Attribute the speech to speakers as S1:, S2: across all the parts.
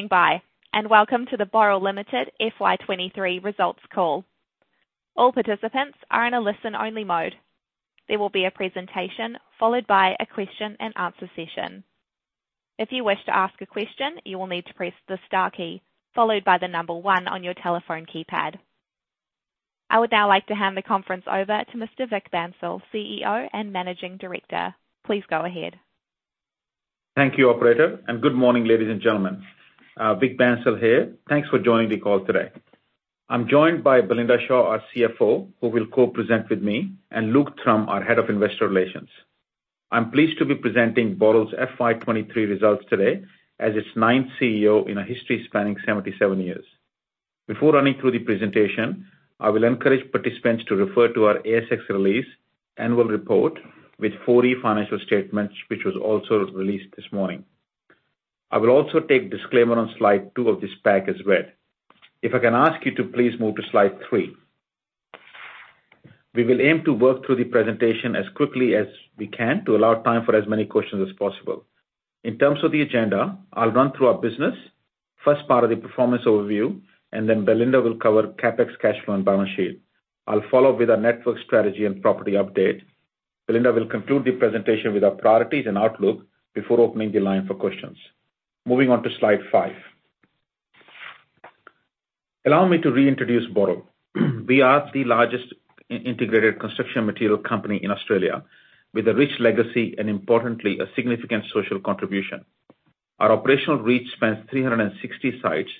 S1: Standing by, welcome to the Boral Limited FY23 results call. All participants are in a listen-only mode. There will be a presentation, followed by a question-and-answer session. If you wish to ask a question, you will need to press the star key, followed by 1 on your telephone keypad. I would now like to hand the conference over to Mr. Vik Bansal, CEO and Managing Director. Please go ahead.
S2: Thank you, operator, and good morning, ladies and gentlemen. Vik Bansal here. Thanks for joining the call today. I'm joined by Belinda Shaw, our CFO, who will co-present with me, and Luke Thrum, our Head of Investor Relations. I'm pleased to be presenting Boral's FY 2023 results today as its ninth CEO in a history spanning 77 years. Before running through the presentation, I will encourage participants to refer to our ASX release annual report with 40 financial statements, which was also released this morning. I will also take disclaimer on slide two of this pack as read. If I can ask you to please move to slide three. We will aim to work through the presentation as quickly as we can to allow time for as many questions as possible. In terms of the agenda, I'll run through our business, first part of the performance overview, and then Belinda will cover CapEx, cash flow, and balance sheet. I'll follow with our network strategy and property update. Belinda will conclude the presentation with our priorities and outlook before opening the line for questions. Moving on to slide 5. Allow me to reintroduce Boral. We are the largest integrated construction material company in Australia, with a rich legacy and importantly, a significant social contribution. Our operational reach spans 360 sites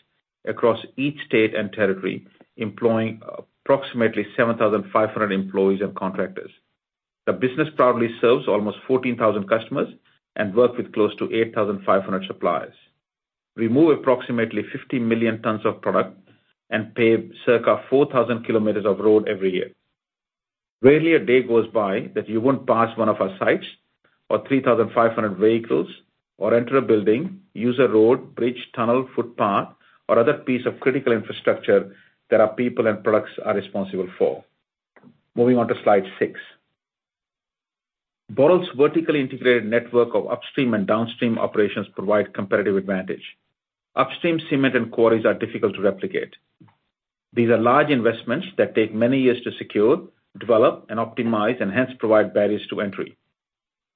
S2: across each state and territory, employing approximately 7,500 employees and contractors. The business proudly serves almost 14,000 customers and works with close to 8,500 suppliers. We move approximately 50 million tons of product and pave circa 4,000 km of road every year. Rarely a day goes by that you won't pass one of our sites or 3,500 vehicles, or enter a building, use a road, bridge, tunnel, footpath, or other piece of critical infrastructure that our people and products are responsible for. Moving on to slide 6. Boral's vertically integrated network of upstream and downstream operations provide competitive advantage. Upstream cement and quarries are difficult to replicate. These are large investments that take many years to secure, develop and optimize, and hence provide barriers to entry.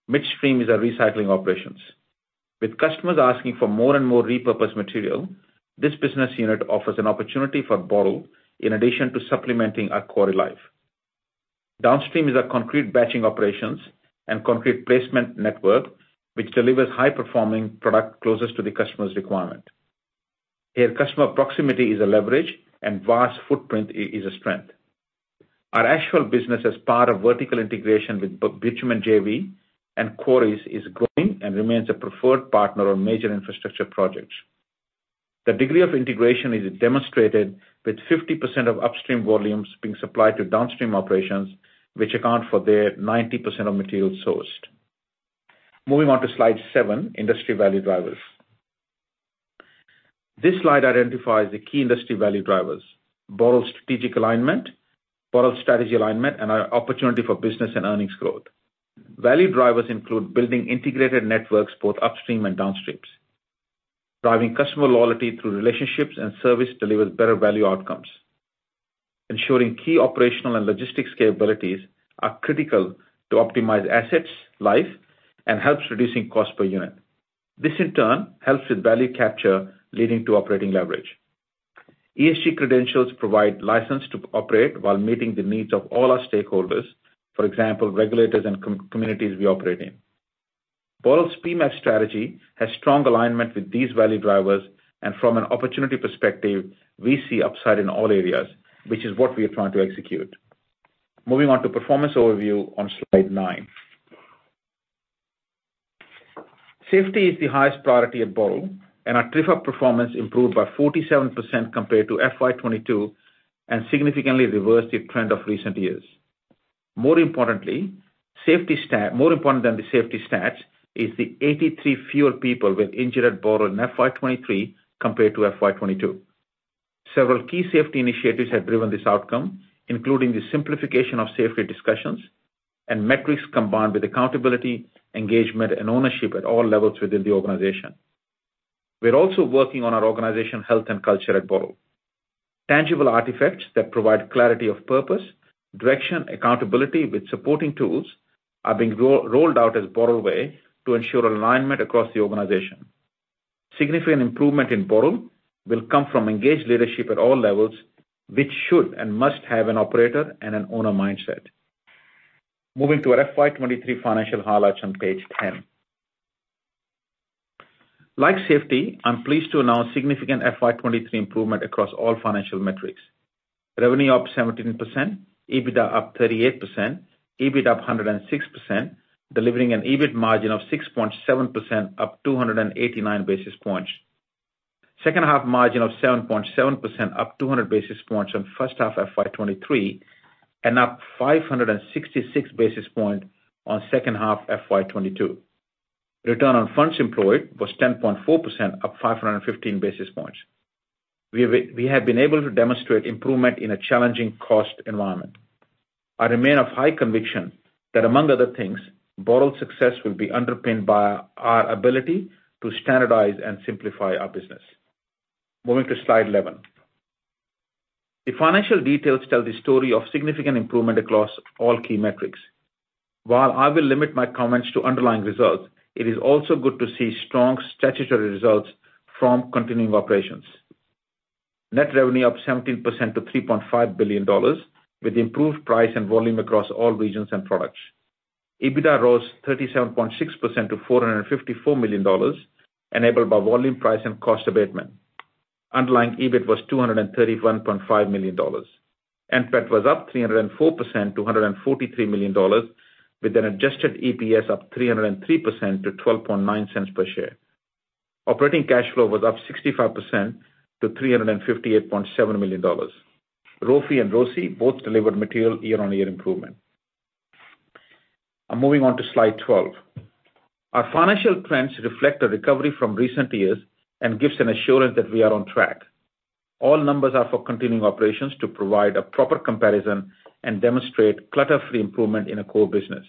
S2: Midstream is our recycling operations. With customers asking for more and more repurposed material, this business unit offers an opportunity for Boral, in addition to supplementing our quarry life. Downstream is our concrete batching operations and concrete placement network, which delivers high-performing product closest to the customer's requirement. Here, customer proximity is a leverage and vast footprint is a strength. Our actual business as part of vertical integration with bitumen JV and quarries is growing and remains a preferred partner on major infrastructure projects. The degree of integration is demonstrated with 50% of upstream volumes being supplied to downstream operations, which account for their 90% of materials sourced. Moving on to slide 7, industry value drivers. This slide identifies the key industry value drivers: Boral's strategic alignment, Boral's strategy alignment, and our opportunity for business and earnings growth. Value drivers include building integrated networks, both upstream and downstreams. Driving customer loyalty through relationships and service delivers better value outcomes. Ensuring key operational and logistics capabilities are critical to optimize assets, life, and helps reducing cost per unit. This, in turn, helps with value capture, leading to operating leverage. ESG credentials provide license to operate while meeting the needs of all our stakeholders, for example, regulators and communities we operate in. Boral's PEMAF strategy has strong alignment with these value drivers. From an opportunity perspective, we see upside in all areas, which is what we are trying to execute. Moving on to performance overview on slide 9. Safety is the highest priority at Boral. Our TRIFR performance improved by 47% compared to FY 2022 and significantly reversed the trend of recent years. More importantly, more important than the safety stats is the 83 fewer people were injured at Boral in FY 2023 compared to FY 2022. Several key safety initiatives have driven this outcome, including the simplification of safety discussions and metrics, combined with accountability, engagement, and ownership at all levels within the organization. We're also working on our organization, health, and culture at Boral. Tangible artifacts that provide clarity of purpose, direction, accountability with supporting tools, are being rolled out as Boral Way to ensure alignment across the organization. Significant improvement in Boral will come from engaged leadership at all levels, which should and must have an operator and an owner mindset. Moving to our FY 2023 financial highlights on page 10. Like safety, I'm pleased to announce significant FY 2023 improvement across all financial metrics. Revenue up 17%, EBITDA up 38%, EBIT up 106%, delivering an EBIT margin of 6.7%, up 289 basis points. Second half margin of 7.7%, up 200 basis points on first half FY 2023, and up 566 basis points on second half FY 2022. ROFE was 10.4%, up 515 basis points. We have been able to demonstrate improvement in a challenging cost environment. I remain of high conviction that, among other things, Boral's success will be underpinned by our ability to standardize and simplify our business. Moving to Slide 11. The financial details tell the story of significant improvement across all key metrics. While I will limit my comments to underlying results, it is also good to see strong statutory results from continuing operations. Net revenue up 17% to 3.5 billion dollars, with improved price and volume across all regions and products. EBITDA rose 37.6% to 454 million dollars, enabled by volume, price, and cost abatement. Underlying EBIT was 231.5 million dollars. NPAT was up 304% to 143 million dollars, with an adjusted EPS up 303% to 0.129 per share. Operating cash flow was up 65% to 358.7 million dollars. ROFE and ROCE both delivered material year-on-year improvement. I'm moving on to Slide 12. Our financial trends reflect a recovery from recent years and give an assurance that we are on track. All numbers are for continuing operations to provide a proper comparison and demonstrate clutter-free improvement in our core business.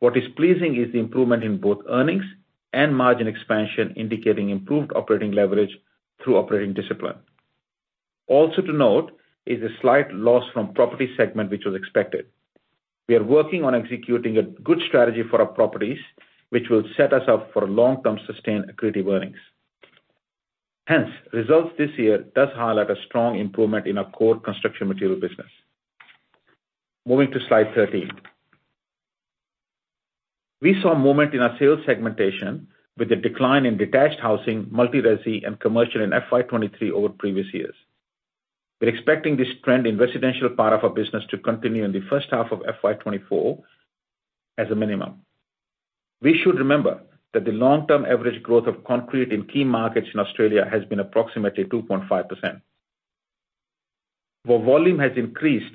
S2: What is pleasing is the improvement in both earnings and margin expansion, indicating improved operating leverage through operating discipline. Also to note is a slight loss from property segment, which was expected. We are working on executing a good strategy for our properties, which will set us up for long-term, sustained accretive earnings. Hence, results this year does highlight a strong improvement in our core construction material business. Moving to Slide 13. We saw a moment in our sales segmentation with a decline in detached housing, multi-resi, and commercial in FY 2023 over previous years. We're expecting this trend in residential part of our business to continue in the first half of FY 2024 as a minimum. We should remember that the long-term average growth of concrete in key markets in Australia has been approximately 2.5%. While volume has increased,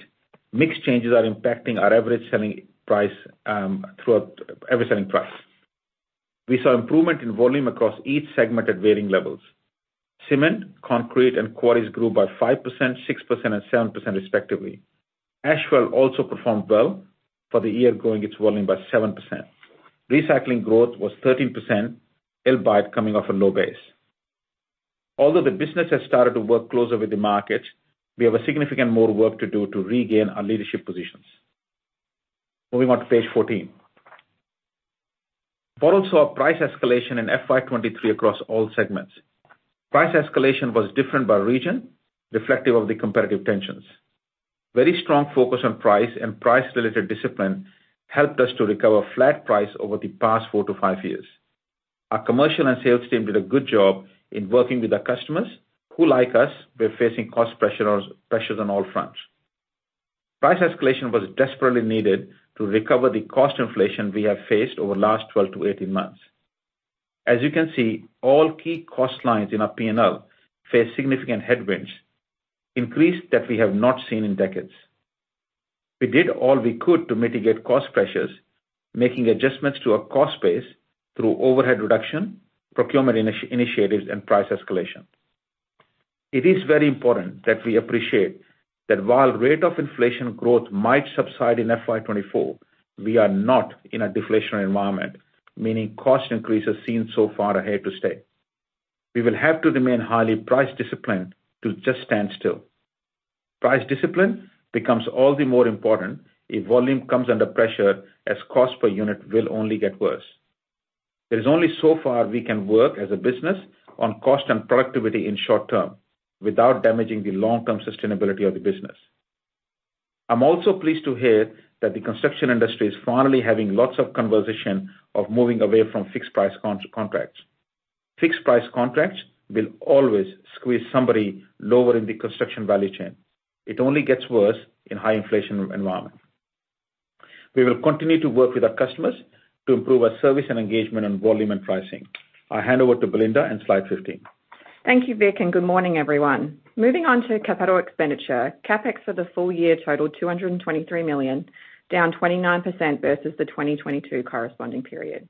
S2: mix changes are impacting our average selling price, average selling price. We saw improvement in volume across each segment at varying levels. Cement, concrete, and quarries grew by 5%, 6%, and 7%, respectively. Ashwell also performed well for the year, growing its volume by 7%. Recycling growth was 13%, albeit coming off a low base. The business has started to work closer with the market, we have a significant more work to do to regain our leadership positions. Moving on to page 14. Boral saw price escalation in FY23 across all segments. Price escalation was different by region, reflective of the competitive tensions. Very strong focus on price and price-related discipline helped us to recover flat price over the past 4-5 years. Our commercial and sales team did a good job in working with our customers, who, like us, were facing cost pressures, pressures on all fronts. Price escalation was desperately needed to recover the cost inflation we have faced over the last 12-18 months. As you can see, all key cost lines in our P&L faced significant headwinds, increase that we have not seen in decades. We did all we could to mitigate cost pressures, making adjustments to our cost base through overhead reduction, procurement initiatives, and price escalation. It is very important that we appreciate that while rate of inflation growth might subside in FY 2024, we are not in a deflationary environment, meaning cost increases seen so far are here to stay. We will have to remain highly price disciplined to just stand still. Price discipline becomes all the more important if volume comes under pressure, as cost per unit will only get worse. There is only so far we can work as a business on cost and productivity in short term, without damaging the long-term sustainability of the business. I'm also pleased to hear that the construction industry is finally having lots of conversation of moving away from fixed price contracts. Fixed price contracts will always squeeze somebody lower in the construction value chain. It only gets worse in high inflation environment. We will continue to work with our customers to improve our service and engagement on volume and pricing. I hand over to Belinda on Slide 15.
S3: Thank you, Vik, and good morning, everyone. Moving on to capital expenditure. CapEx for the full year totaled 223 million, down 29% versus the 2022 corresponding period.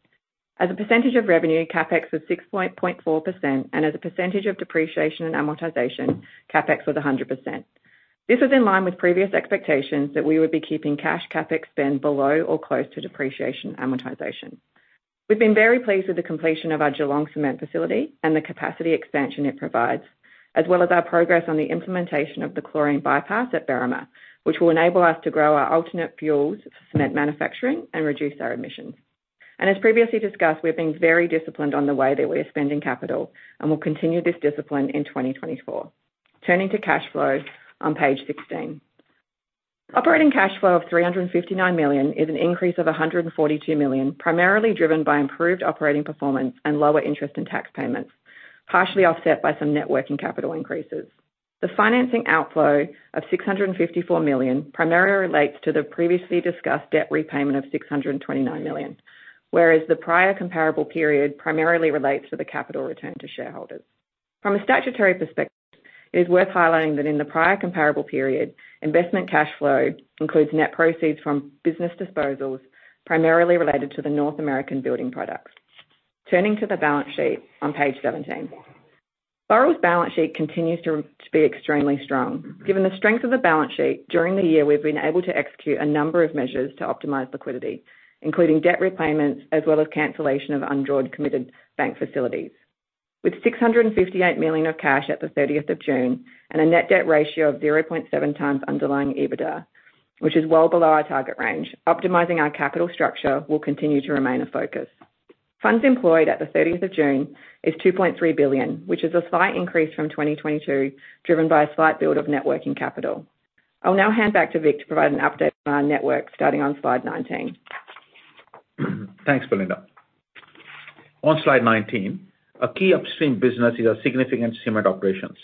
S3: As a percentage of revenue, CapEx was 6.4%, and as a percentage of depreciation amortization, CapEx was 100%. This is in line with previous expectations that we would be keeping cash CapEx spend below or close to depreciation amortization. We've been very pleased with the completion of our Geelong cement facility and the capacity expansion it provides, as well as our progress on the implementation of the chlorine bypass at Berrima, which will enable us to grow our alternative fuels for cement manufacturing and reduce our emissions. As previously discussed, we're being very disciplined on the way that we are spending capital, and we'll continue this discipline in 2024. Turning to cash flow on page 16. Operating cash flow of 359 million is an increase of 142 million, primarily driven by improved operating performance and lower interest in tax payments, partially offset by some net working capital increases. The financing outflow of 654 million primarily relates to the previously discussed debt repayment of 629 million, whereas the prior comparable period primarily relates to the capital return to shareholders. From a statutory perspective, it is worth highlighting that in the prior comparable period, investment cash flow includes net proceeds from business disposals, primarily related to the North American Building Products. Turning to the balance sheet on page 17. Boral's balance sheet continues to be extremely strong. Given the strength of the balance sheet, during the year, we've been able to execute a number of measures to optimize liquidity, including debt repayments as well as cancellation of undrawn committed bank facilities. With 658 million of cash at the 30th of June and a net debt ratio of 0.7 times underlying EBITDA, which is well below our target range, optimizing our capital structure will continue to remain a focus. Funds employed at the 30th of June is 2.3 billion, which is a slight increase from 2022, driven by a slight build of networking capital. I'll now hand back to Vik to provide an update on our network, starting on slide 19.
S2: Thanks, Belinda. On slide 19, a key upstream business is our significant cement operations.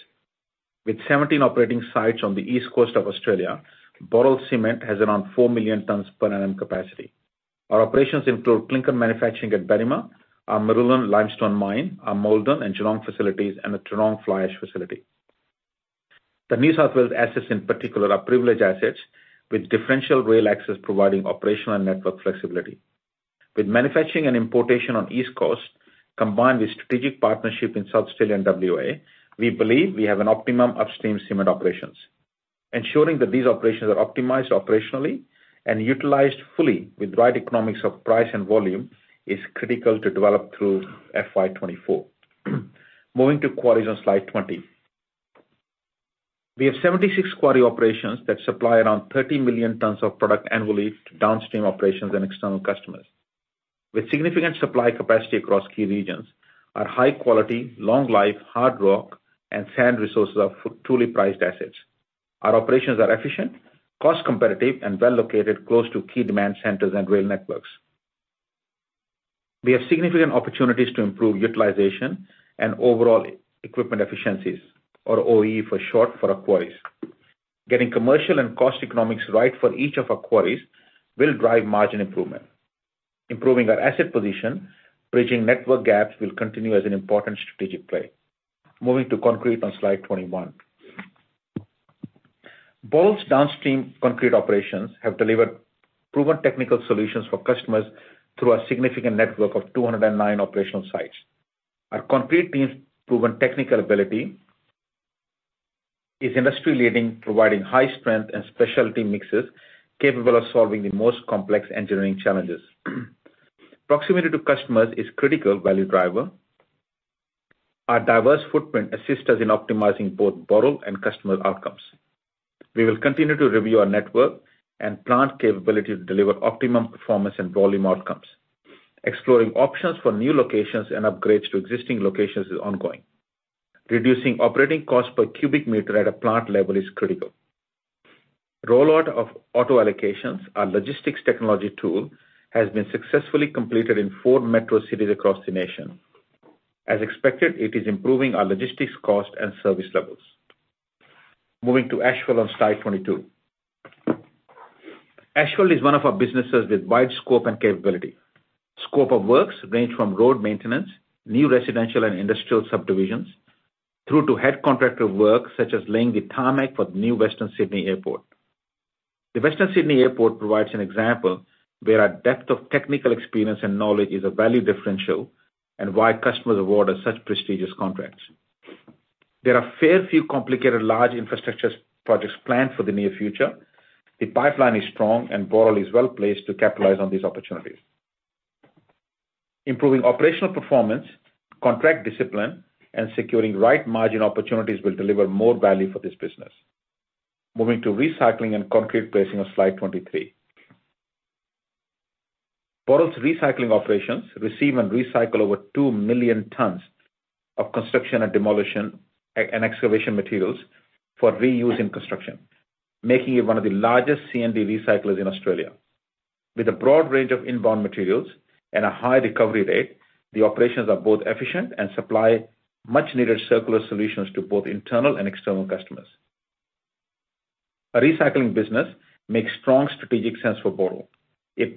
S2: With 17 operating sites on the East Coast of Australia, Boral Cement has around 4 million tons per annum capacity. Our operations include clinker manufacturing at Berrima, our Middle Limestone Mine, our Maldon and Geelong facilities, and the Tarong Fly Ash facility. The New South Wales assets, in particular, are privileged assets with differential rail access, providing operational and network flexibility. With manufacturing and importation on East Coast, combined with strategic partnership in South Australia and WA, we believe we have an optimum upstream cement operations. Ensuring that these operations are optimized operationally and utilized fully with right economics of price and volume, is critical to develop through FY 2024. Moving to quarries on slide 20. We have 76 quarry operations that supply around 30 million tons of product annually to downstream operations and external customers. With significant supply capacity across key regions, our high quality, long life, hard rock, and sand resources are truly priced assets. Our operations are efficient, cost competitive, and well located close to key demand centers and rail networks. We have significant opportunities to improve utilization and overall equipment efficiencies, or OE for short, for our quarries. Getting commercial and cost economics right for each of our quarries will drive margin improvement. Improving our asset position, bridging network gaps will continue as an important strategic play. Moving to concrete on slide 21. Boral's downstream concrete operations have delivered proven technical solutions for customers through a significant network of 209 operational sites. Our concrete team's proven technical ability is industry-leading, providing high strength and specialty mixes capable of solving the most complex engineering challenges. Proximity to customers is critical value driver. Our diverse footprint assists us in optimizing both Boral and customer outcomes. We will continue to review our network and plant capability to deliver optimum performance and volume outcomes. Exploring options for new locations and upgrades to existing locations is ongoing. Reducing operating costs per cubic meter at a plant level is critical. Rollout of Auto Allocations, our logistics technology tool, has been successfully completed in four metro cities across the nation. As expected, it is improving our logistics cost and service levels. Moving to Asphalt on slide 22. Asphalt is one of our businesses with wide scope and capability. Scope of works range from road maintenance, new residential and industrial subdivisions, through to head contractor work, such as laying the tarmac for the new Western Sydney Airport. The Western Sydney Airport provides an example where our depth of technical experience and knowledge is a value differential and why customers award us such prestigious contracts. There are fair few complicated, large infrastructure projects planned for the near future. The pipeline is strong, and Boral is well-placed to capitalize on these opportunities. Improving operational performance, contract discipline, and securing right margin opportunities will deliver more value for this business. Moving to recycling and concrete placing on slide 23. Boral's recycling operations receive and recycle over 2 million tons of construction and demolition, and excavation materials for reuse in construction, making it one of the largest C&D recyclers in Australia. With a broad range of inbound materials and a high recovery rate, the operations are both efficient and supply much-needed circular solutions to both internal and external customers. A recycling business makes strong strategic sense for Boral. It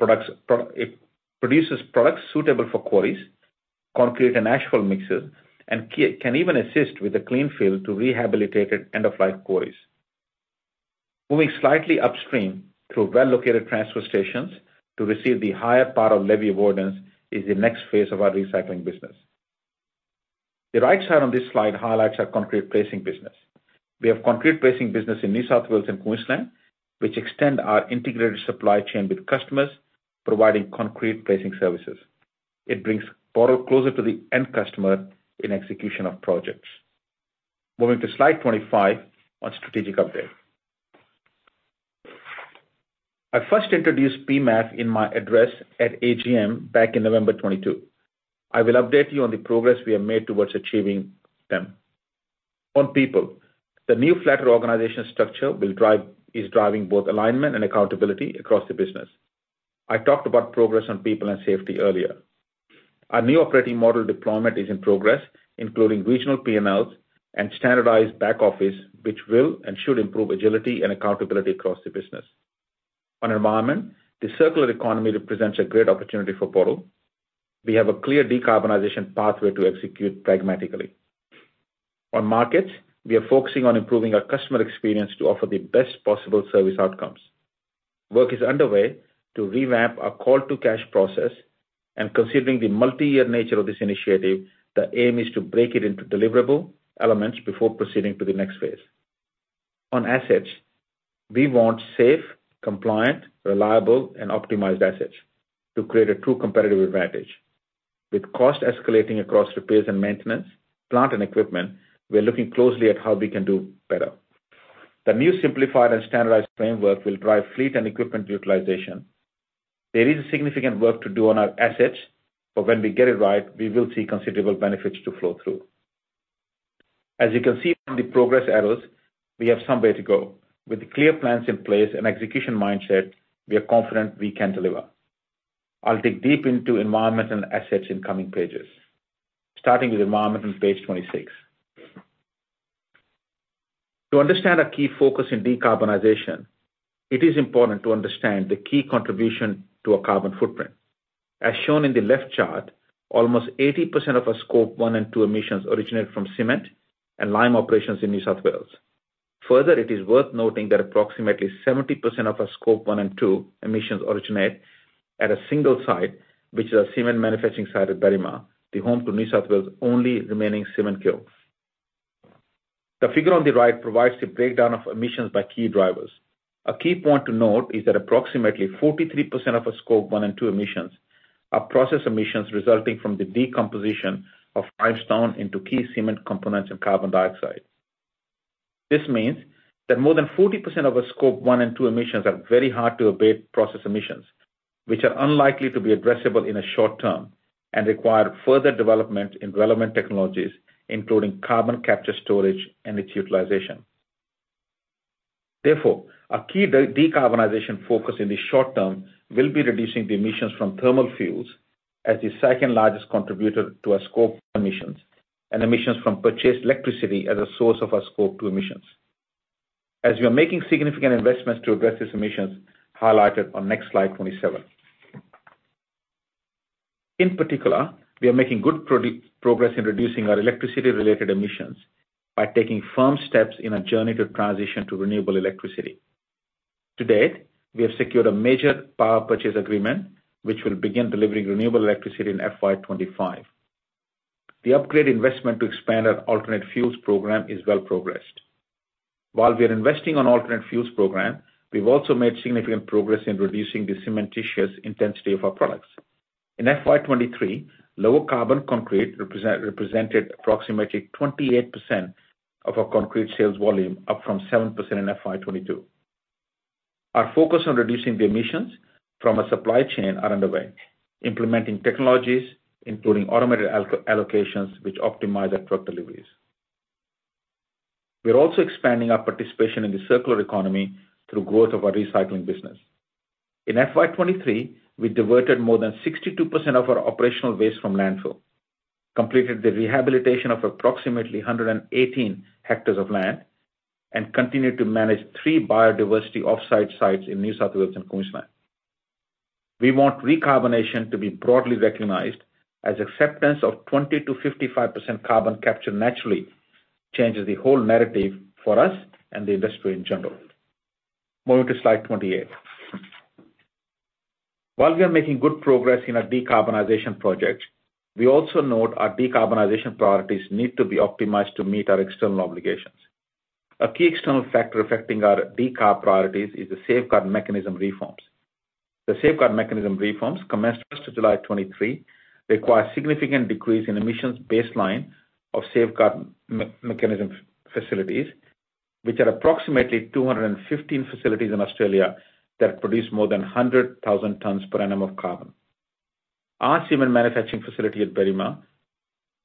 S2: produces products suitable for quarries, concrete and asphalt mixes, and can even assist with the clean fill to rehabilitated end-of-life quarries. Moving slightly upstream through well-located transfer stations to receive the higher part of levy awardance is the next phase of our recycling business. The right side on this slide highlights our concrete placing business. We have concrete placing business in New South Wales and Queensland, which extend our integrated supply chain with customers, providing concrete placing services. It brings Boral closer to the end customer in execution of projects. Moving to slide 25 on strategic update. I first introduced PMAF in my address at AGM back in November 2022. I will update you on the progress we have made towards achieving them. On people, the new flatter organizational structure is driving both alignment and accountability across the business. I talked about progress on people and safety earlier. Our new operating model deployment is in progress, including regional P&Ls and standardized back office, which will and should improve agility and accountability across the business. On environment, the circular economy represents a great opportunity for Boral. We have a clear decarbonization pathway to execute pragmatically. On markets, we are focusing on improving our customer experience to offer the best possible service outcomes. Work is underway to revamp our call to cash process, and considering the multi-year nature of this initiative, the aim is to break it into deliverable elements before proceeding to the next phase. On assets, we want safe, compliant, reliable, and optimized assets to create a true competitive advantage. With cost escalating across repairs and maintenance, plant and equipment, we are looking closely at how we can do better. The new simplified and standardized framework will drive fleet and equipment utilization. There is significant work to do on our assets, but when we get it right, we will see considerable benefits to flow through. As you can see from the progress arrows, we have somewhere to go. With clear plans in place and execution mindset, we are confident we can deliver. I'll dig deep into environment and assets in coming pages, starting with environment on page 26. To understand our key focus in decarbonization, it is important to understand the key contribution to our carbon footprint. As shown in the left chart, almost 80% of our Scope 1 and 2 emissions originate from cement and lime operations in New South Wales. Further, it is worth noting that approximately 70% of our Scope 1 and 2 emissions originate at a single site, which is our cement manufacturing site at Berrima, the home to New South Wales' only remaining cement kiln. The figure on the right provides a breakdown of emissions by key drivers. A key point to note is that approximately 43% of our Scope 1 and 2 emissions are process emissions resulting from the decomposition of limestone into key cement components and carbon dioxide. This means that more than 40% of our Scope 1 and 2 emissions are very hard-to-abate process emissions, which are unlikely to be addressable in a short term and require further development in relevant technologies, including carbon capture storage and its utilization. Therefore, our key decarbonization focus in the short term will be reducing the emissions from thermal fuels as the second-largest contributor to our scope emissions, and emissions from purchased electricity as a source of our Scope 2 emissions. We are making significant investments to address these emissions, highlighted on next slide, 27. In particular, we are making good progress in reducing our electricity-related emissions by taking firm steps in our journey to transition to renewable electricity. To date, we have secured a major power purchase agreement, which will begin delivering renewable electricity in FY 25. The upgrade investment to expand our alternative fuels program is well progressed. While we are investing on alternative fuels program, we've also made significant progress in reducing the cementitious intensity of our products. In FY 2023, lower carbon concrete represented approximately 28% of our concrete sales volume, up from 7% in FY 2022. Our focus on reducing the emissions from our supply chain are underway, implementing technologies, including Auto Allocations, which optimize our truck deliveries. We are also expanding our participation in the circular economy through growth of our recycling business. In FY 2023, we diverted more than 62% of our operational waste from landfill, completed the rehabilitation of approximately 118 hectares of land, and continued to manage three biodiversity off-site sites in New South Wales and Queensland. We want recarbonation to be broadly recognized as acceptance of 20%-55% carbon capture naturally changes the whole narrative for us and the industry in general. Moving to slide 28. While we are making good progress in our decarbonization project, we also note our decarbonization priorities need to be optimized to meet our external obligations. A key external factor affecting our decarb priorities is the Safeguard Mechanism reforms. The Safeguard Mechanism reforms, commenced as of July 2023, require significant decrease in emissions baseline of Safeguard Mechanism facilities, which are approximately 215 facilities in Australia that produce more than 100,000 tons per annum of carbon. Our cement manufacturing facility at Berrima,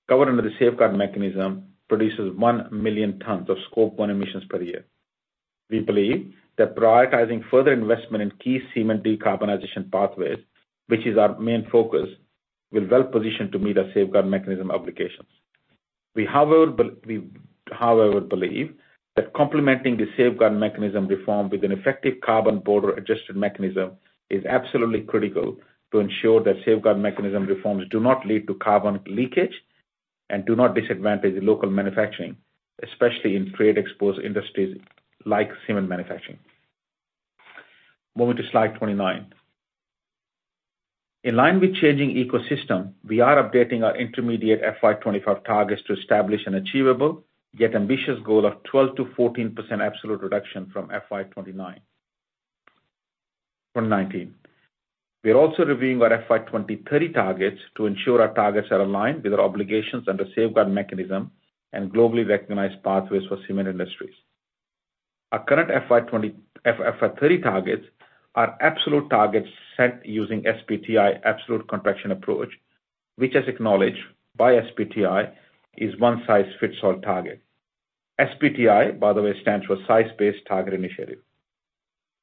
S2: covered under the Safeguard Mechanism, produces 1 million tons of Scope 1 emissions per year. We believe that prioritizing further investment in key cement decarbonization pathways, which is our main focus, will well position to meet our Safeguard Mechanism obligations. We, however, believe that complementing the Safeguard Mechanism reform with an effective carbon border adjustment mechanism is absolutely critical to ensure that Safeguard Mechanism reforms do not lead to carbon leakage and do not disadvantage the local manufacturing, especially in trade-exposed industries like cement manufacturing. Moving to slide 29. In line with changing ecosystem, we are updating our intermediate FY 25 targets to establish an achievable, yet ambitious goal of 12%-14% absolute reduction from FY 29, 2019. We are also reviewing our FY 2030 targets to ensure our targets are aligned with our obligations under the Safeguard Mechanism and globally recognized pathways for cement industries. Our current FY 30 targets are absolute targets set using SBTi absolute contraction approach, which is acknowledged by SBTi, is one size fits all target. SBTi, by the way, stands for Science Based Targets initiative.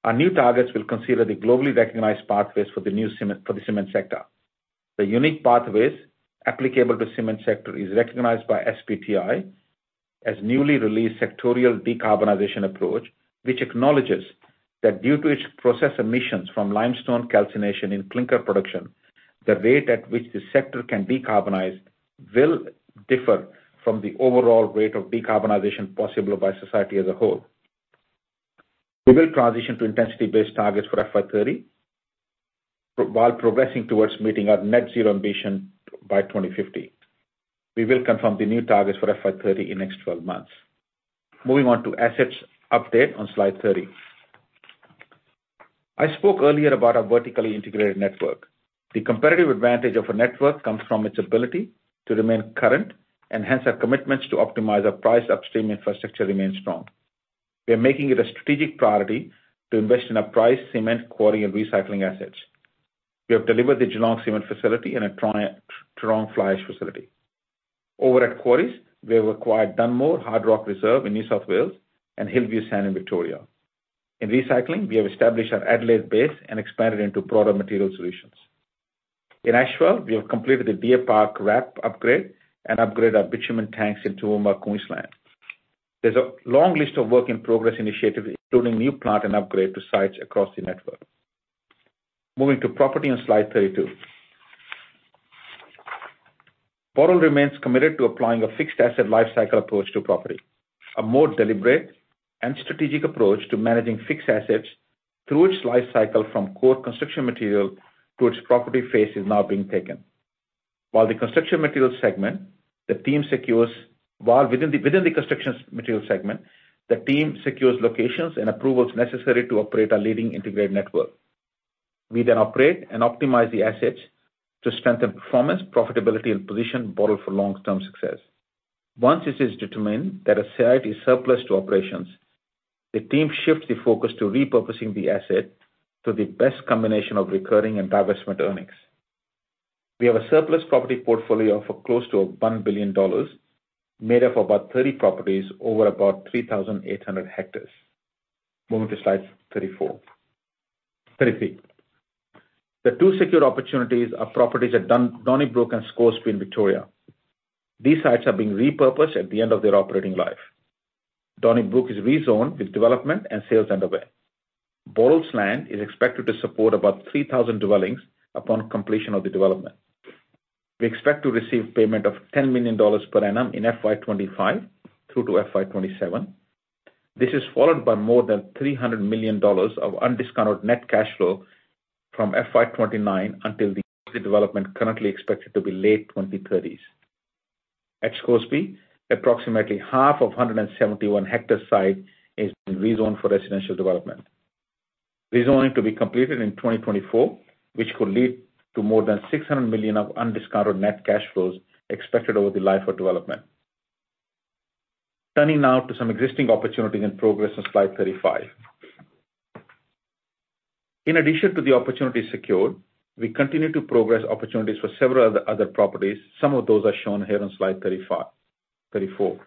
S2: Our new targets will consider the globally recognized pathways for the new cement for the cement sector. The unique pathways applicable to cement sector is recognized by SBTi as newly released Sectoral Decarbonization Approach, which acknowledges that due to its process emissions from limestone calcination in clinker production. The rate at which the sector can decarbonize will differ from the overall rate of decarbonization possible by society as a whole. We will transition to intensity-based targets for FY30, while progressing towards meeting our net zero ambition by 2050. We will confirm the new targets for FY30 in the next 12 months. Moving on to assets update on slide 30. I spoke earlier about our vertically integrated network. The competitive advantage of a network comes from its ability to remain current, and hence, our commitments to optimize our price upstream infrastructure remains strong. We are making it a strategic priority to invest in our price, cement, quarry, and recycling assets. We have delivered the Geelong cement facility and a Geelong Fly Ash facility. Over at quarries, we have acquired Dunmore Hard Rock Reserve in New South Wales and Hillview Sand in Victoria. In recycling, we have established our Adelaide base and expanded into product material solutions. In Asheville, we have completed the Deer Park wrap upgrade and upgraded our bitumen tanks in Toowoomba, Queensland. There's a long list of work-in-progress initiatives, including new plant and upgrade to sites across the network. Moving to property on slide 32. Boral remains committed to applying a fixed asset lifecycle approach to property. A more deliberate and strategic approach to managing fixed assets through its lifecycle from core construction material to its property phase is now being taken. While within the constructions material segment, the team secures locations and approvals necessary to operate our leading integrated network. We then operate and optimize the assets to strengthen performance, profitability, and position Boral for long-term success. Once it is determined that a site is surplus to operations, the team shifts the focus to repurposing the asset to the best combination of recurring and divestment earnings. We have a surplus property portfolio of close to 1 billion dollars, made up of about 30 properties over about 3,800 hectares. Moving to slide 34. 33. The two secure opportunities are properties at Donnybrook and Scoresby in Victoria. These sites are being repurposed at the end of their operating life. Donnybrook is rezoned, with development and sales underway. Boral's land is expected to support about 3,000 dwellings upon completion of the development. We expect to receive payment of 10 million dollars per annum in FY 2025 through to FY 2027. This is followed by more than 300 million dollars of undiscounted net cash flow from FY 2029 until the development currently expected to be late 2030s. At Scoresby, approximately half of 171 hectare site is rezoned for residential development. Rezoning to be completed in 2024, which could lead to more than 600 million of undiscounted net cash flows expected over the life of development. Turning now to some existing opportunities and progress on slide 35. In addition to the opportunities secured, we continue to progress opportunities for several other, other properties. Some of those are shown here on slide 35, 34.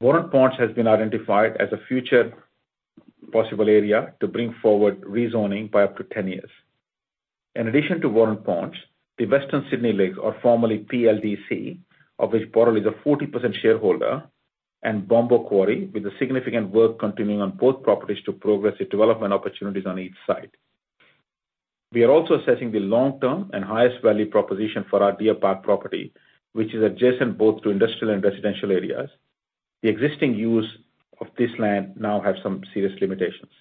S2: Warren Pontch has been identified as a future possible area to bring forward rezoning by up to 10 years. In addition to Warren Pontch, the Western Sydney Lakes, or formerly PLDC, of which Boral is a 40% shareholder, and Bombo Quarry, with the significant work continuing on both properties to progress the development opportunities on each site. We are also assessing the long-term and highest value proposition for our Deer Park property, which is adjacent both to industrial and residential areas. The existing use of this land now have some serious limitations.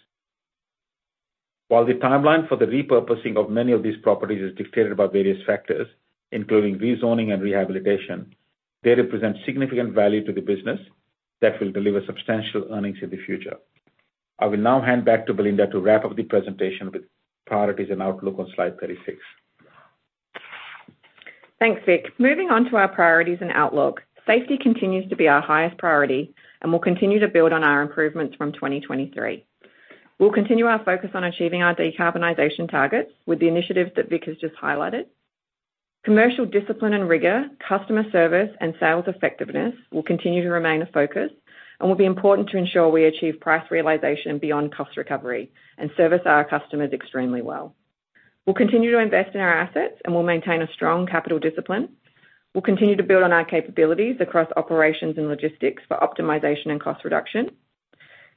S2: While the timeline for the repurposing of many of these properties is dictated by various factors, including rezoning and rehabilitation, they represent significant value to the business that will deliver substantial earnings in the future. I will now hand back to Belinda to wrap up the presentation with priorities and outlook on slide 36.
S3: Thanks, Vik. Moving on to our priorities and outlook. Safety continues to be our highest priority, and we'll continue to build on our improvements from 2023. We'll continue our focus on achieving our decarbonization targets with the initiatives that Vik has just highlighted. Commercial discipline and rigor, customer service, and sales effectiveness will continue to remain a focus and will be important to ensure we achieve price realization beyond cost recovery and service our customers extremely well. We'll continue to invest in our assets, and we'll maintain a strong capital discipline. We'll continue to build on our capabilities across operations and logistics for optimization and cost reduction.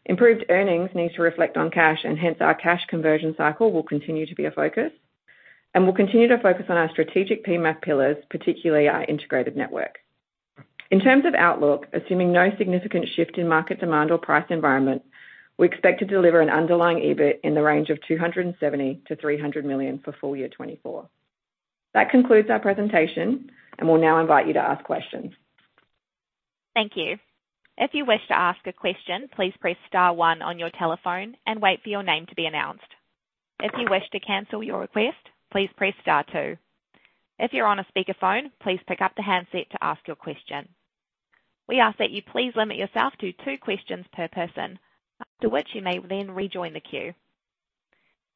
S3: Improved earnings need to reflect on cash, and hence our cash conversion cycle will continue to be a focus. We'll continue to focus on our strategic PEMAF pillars, particularly our integrated network. In terms of outlook, assuming no significant shift in market demand or price environment, we expect to deliver an underlying EBIT in the range of 270 million-300 million for full year 2024. That concludes our presentation. We'll now invite you to ask questions.
S1: Thank you. If you wish to ask a question, please press star one on your telephone and wait for your name to be announced. If you wish to cancel your request, please press star two. If you're on a speakerphone, please pick up the handset to ask your question. We ask that you please limit yourself to two questions per person, after which you may then rejoin the queue.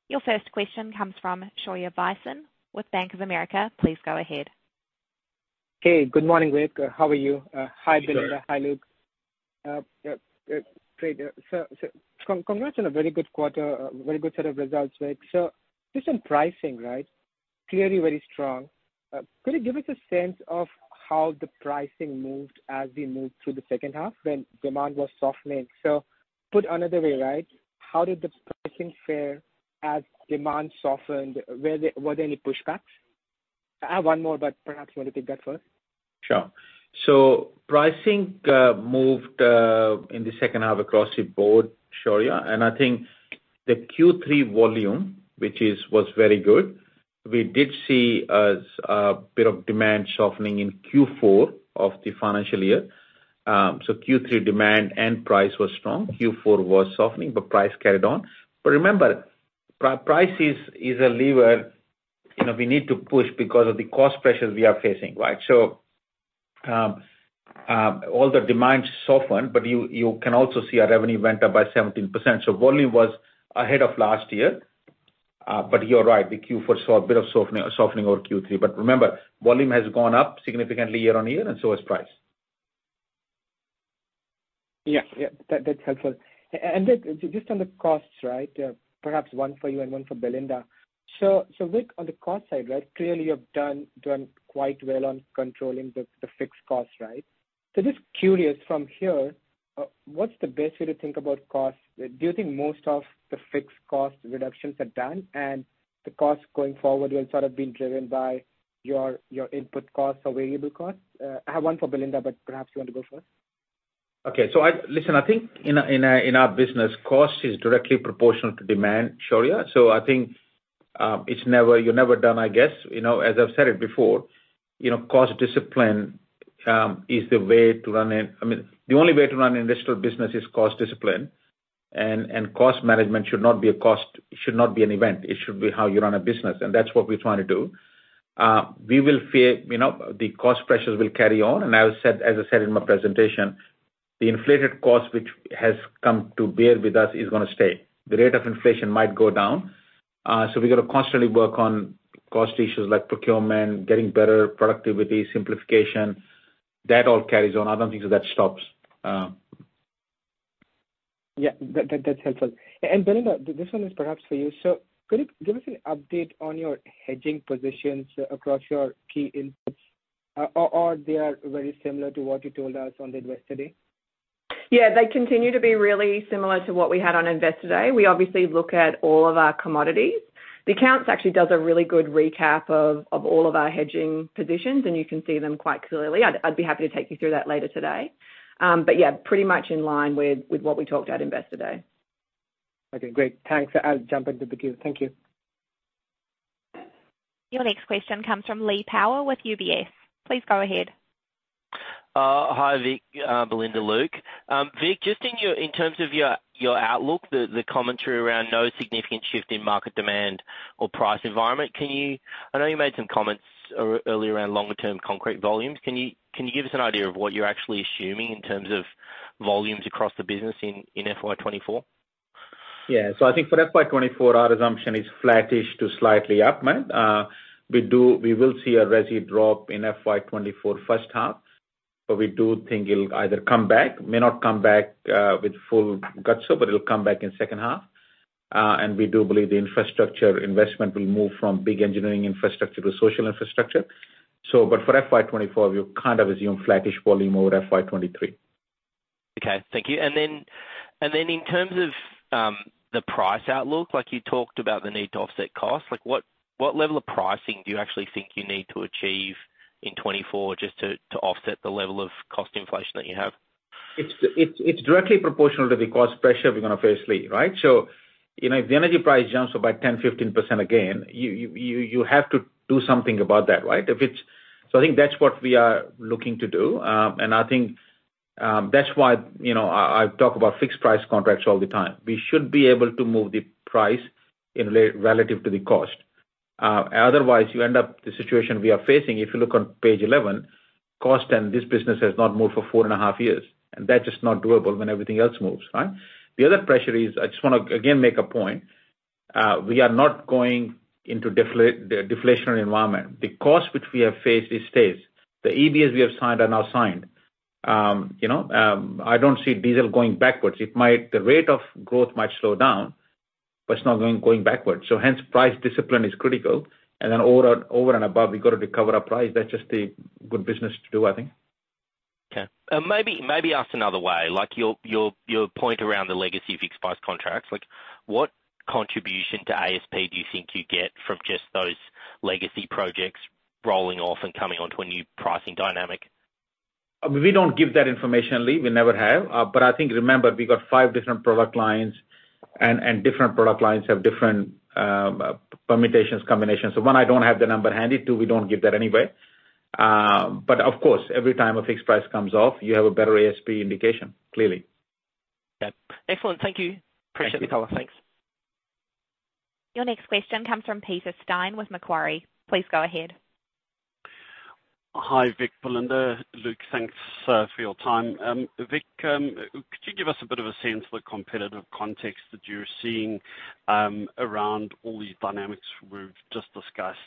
S1: Your first question comes from Shaurya Visen with Bank of America. Please go ahead.
S4: Hey, good morning, Vik. How are you? Hi, Belinda.
S2: Good.
S4: Hi, Luke. Great. Congrats on a very good quarter, very good set of results, Vik. Just on pricing, right? Clearly very strong. Could you give us a sense of how the pricing moved as we moved through the second half when demand was softening? Put another way, right? How did the pricing fare as demand softened? Were there, were there any pushbacks? I have one more, but perhaps you want to take that first.
S2: Sure. Pricing moved in the second half across the board, Shaurya, and I think the Q3 volume, which is, was very good. We did see a bit of demand softening in Q4 of the financial year. Q3 demand and price was strong. Q4 was softening, price carried on. Remember, price is, is a lever, you know, we need to push because of the cost pressures we are facing, right? All the demand softened, you, you can also see our revenue went up by 17%. Volume was ahead of last year, you're right, the Q4 saw a bit of softening, softening over Q3. Remember, volume has gone up significantly year-on-year, and so has price.
S4: Yeah. Yeah, that, that's helpful. Just on the costs, right, perhaps one for you and one for Belinda. Vik, on the cost side, right, clearly, you've done quite well on controlling the fixed costs, right? Just curious from here, what's the best way to think about costs? Do you think most of the fixed cost reductions are done and the costs going forward will sort of be driven by your, your input costs or variable costs? I have one for Belinda, but perhaps you want to go first.
S2: Okay, listen, I think in our, in our, in our business, cost is directly proportional to demand, Shaurya. I think, you're never done, I guess. You know, as I've said it before, you know, cost discipline, I mean, the only way to run an industrial business is cost discipline, and cost management should not be an event. It should be how you run a business, and that's what we're trying to do. We will, you know, the cost pressures will carry on, as I said in my presentation, the inflated cost, which has come to bear with us, is gonna stay. The rate of inflation might go down, so we've got to constantly work on cost issues like procurement, getting better productivity, simplification. That all carries on. I don't think that stops.
S4: Yeah, that, that, that's helpful. Belinda, this one is perhaps for you. Could you give us an update on your hedging positions across your key inputs, or, or they are very similar to what you told us on the Investor Day?
S3: Yeah, they continue to be really similar to what we had on Investor Day. We obviously look at all of our commodities. The accounts actually does a really good recap of all of our hedging positions, and you can see them quite clearly. I'd be happy to take you through that later today. Yeah, pretty much in line with what we talked at Investor Day.
S4: Okay, great. Thanks. I'll jump into the queue. Thank you.
S1: Your next question comes from Lee Power with UBS. Please go ahead.
S5: Hi, Vik, Belinda, Luke. Vik, just in terms of your, your outlook, the, the commentary around no significant shift in market demand or price environment, can you? I know you made some comments earlier around longer term concrete volumes. Can you, can you give us an idea of what you're actually assuming in terms of volumes across the business in, in FY 2024?
S2: Yeah. I think for FY 2024, our assumption is flattish to slightly up, mate. We will see a resi drop in FY 2024 first half, but we do think it'll either come back, may not come back, with full gusto, but it'll come back in second half. We do believe the infrastructure investment will move from big engineering infrastructure to social infrastructure. For FY 2024, we kind of assume flattish volume over FY 2023.
S5: Okay, thank you. Then in terms of the price outlook, like you talked about the need to offset costs, like what, what level of pricing do you actually think you need to achieve in 2024 just to, to offset the level of cost inflation that you have?
S2: It's, it's, it's directly proportional to the cost pressure we're going to face, Lee, right? You know, if the energy price jumps by 10, 15%, again, you, you, you have to do something about that, right? If it's... I think that's what we are looking to do. I think that's why, you know, I, I talk about fixed price contracts all the time. We should be able to move the price in relative to the cost. Otherwise, you end up the situation we are facing, if you look on page 11, cost in this business has not moved for 4.5 years, and that's just not doable when everything else moves, right? The other pressure is, I just want to, again, make a point. We are not going into deflationary environment. The cost which we have faced, it stays. The EBAs we have signed are now signed. you know, I don't see diesel going backwards. The rate of growth might slow down, but it's not going, going backwards. Hence, price discipline is critical, and then over, over and above, we've got to recover our price. That's just a good business to do, I think.
S5: Okay. maybe, maybe asked another way, like your, your, your point around the legacy of fixed price contracts, like what contribution to ASP do you think you get from just those legacy projects rolling off and coming onto a new pricing dynamic?
S2: We don't give that information, Lee. We never have. I think, remember, we got 5 different product lines, and, and different product lines have different permutations, combinations. 1, I don't have the number handy. 2, we don't give that anyway. Of course, every time a fixed price comes off, you have a better ASP indication, clearly.
S5: Yeah. Excellent. Thank you. Appreciate the call. Thanks.
S1: Your next question comes from Peter Steyn with Macquarie. Please go ahead.
S6: Hi, Vik, Belinda, Luke, thanks for your time. Vik, could you give us a bit of a sense of the competitive context that you're seeing, around all these dynamics we've just discussed,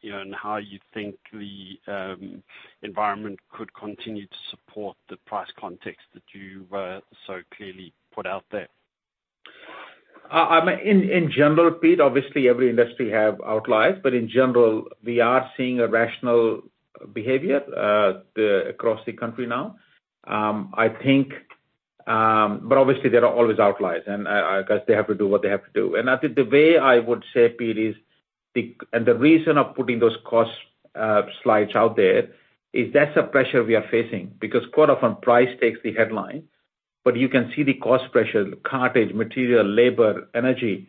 S6: you know, and how you think the environment could continue to support the price context that you so clearly put out there?
S2: I mean, in general, Pete, obviously every industry has outliers, but in general, we are seeing a rational behavior across the country now. I think, but obviously there are always outliers, and I guess they have to do what they have to do. I think the way I would say, Pete, is the reason of putting those cost slides out there, is that's a pressure we are facing. Quite often price takes the headline, but you can see the cost pressure: cartage, material, labor, energy.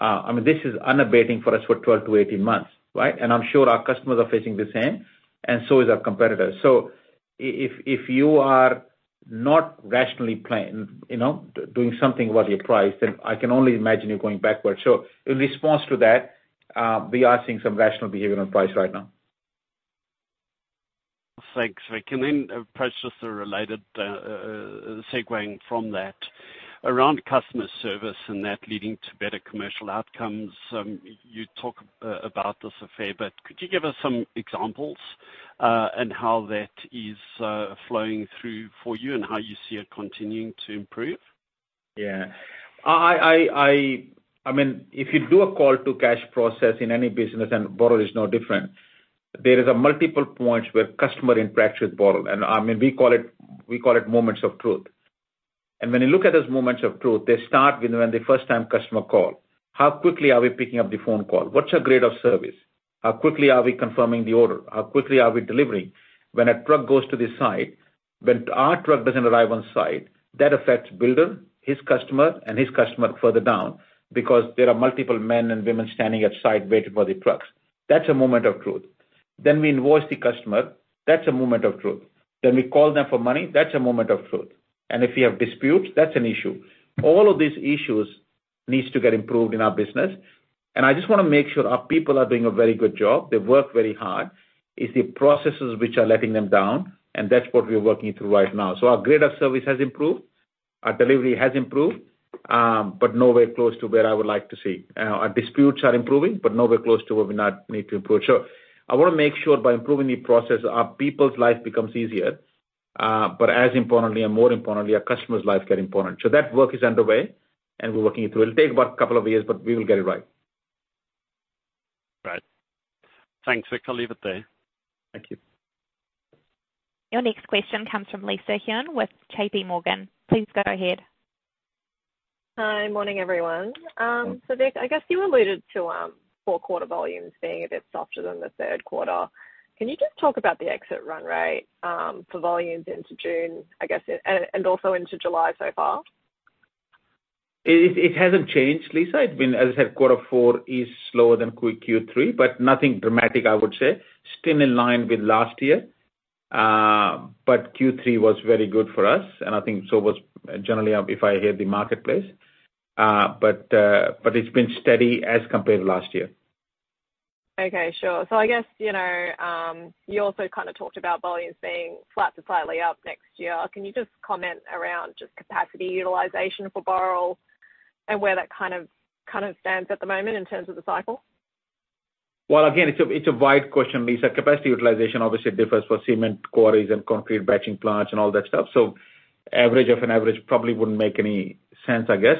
S2: I mean, this is unabating for us for 12 to 18 months, right? I'm sure our customers are facing the same, and so are our competitors. If you are not rationally planning, you know, doing something about your price, then I can only imagine you're going backwards. In response to that, we are seeing some rational behavior on price right now.
S6: Thanks. Can I then approach just a related, segueing from that? Around customer service and that leading to better commercial outcomes, you talk about this a fair bit. Could you give us some examples, and how that is flowing through for you and how you see it continuing to improve?
S7: Yeah. I mean, if you do a call to cash process in any business, Boral is no different, there is a multiple points where customer interacts with Boral, I mean, we call it, we call it moments of truth. When you look at those moments of truth, they start with when the first time customer call. How quickly are we picking up the phone call? What's our grade of service? How quickly are we confirming the order? How quickly are we delivering? When a truck goes to the site, when our truck doesn't arrive on site, that affects builder, his customer, and his customer further down because there are multiple men and women standing at site waiting for the trucks. That's a moment of truth. Then we invoice the customer. That's a moment of truth. Then we call them for money.
S2: That's a moment of truth. If you have disputes, that's an issue. All of these issues need to get improved in our business, and I just want to make sure our people are doing a very good job. They work very hard. It's the processes which are letting them down, and that's what we're working through right now. Our grade of service has improved, our delivery has improved, but nowhere close to where I would like to see. Our disputes are improving, but nowhere close to where we now need to improve. I want to make sure by improving the process, our people's life becomes easier, but as importantly and more importantly, our customers' lives get important. That work is underway, and we're working it through. It'll take about a couple of years, but we will get it right.
S6: Right. Thanks. We can leave it there. Thank you.
S1: Your next question comes from Lisa Huynh with J.P. Morgan. Please go ahead.
S8: Hi, morning, everyone. Vik, I guess you alluded to, four quarter volumes being a bit softer than the third quarter. Can you just talk about the exit run rate, for volumes into June, I guess, and, and also into July so far?
S2: It hasn't changed, Lisa. It's been, as I said, quarter four is slower than Q3, but nothing dramatic, I would say. Still in line with last year, but Q3 was very good for us, and I think so was generally, if I hear the marketplace. It's been steady as compared to last year.
S8: Okay, sure. I guess, you know, you also kind of talked about volumes being flat to slightly up next year. Can you just comment around just capacity utilization for Boral and where that kind of stands at the moment in terms of the cycle?
S2: Well, again, it's a, it's a wide question, Lisa. Capacity utilization obviously differs for cement quarries and concrete batching plants and all that stuff. Average of an average probably wouldn't make any sense, I guess.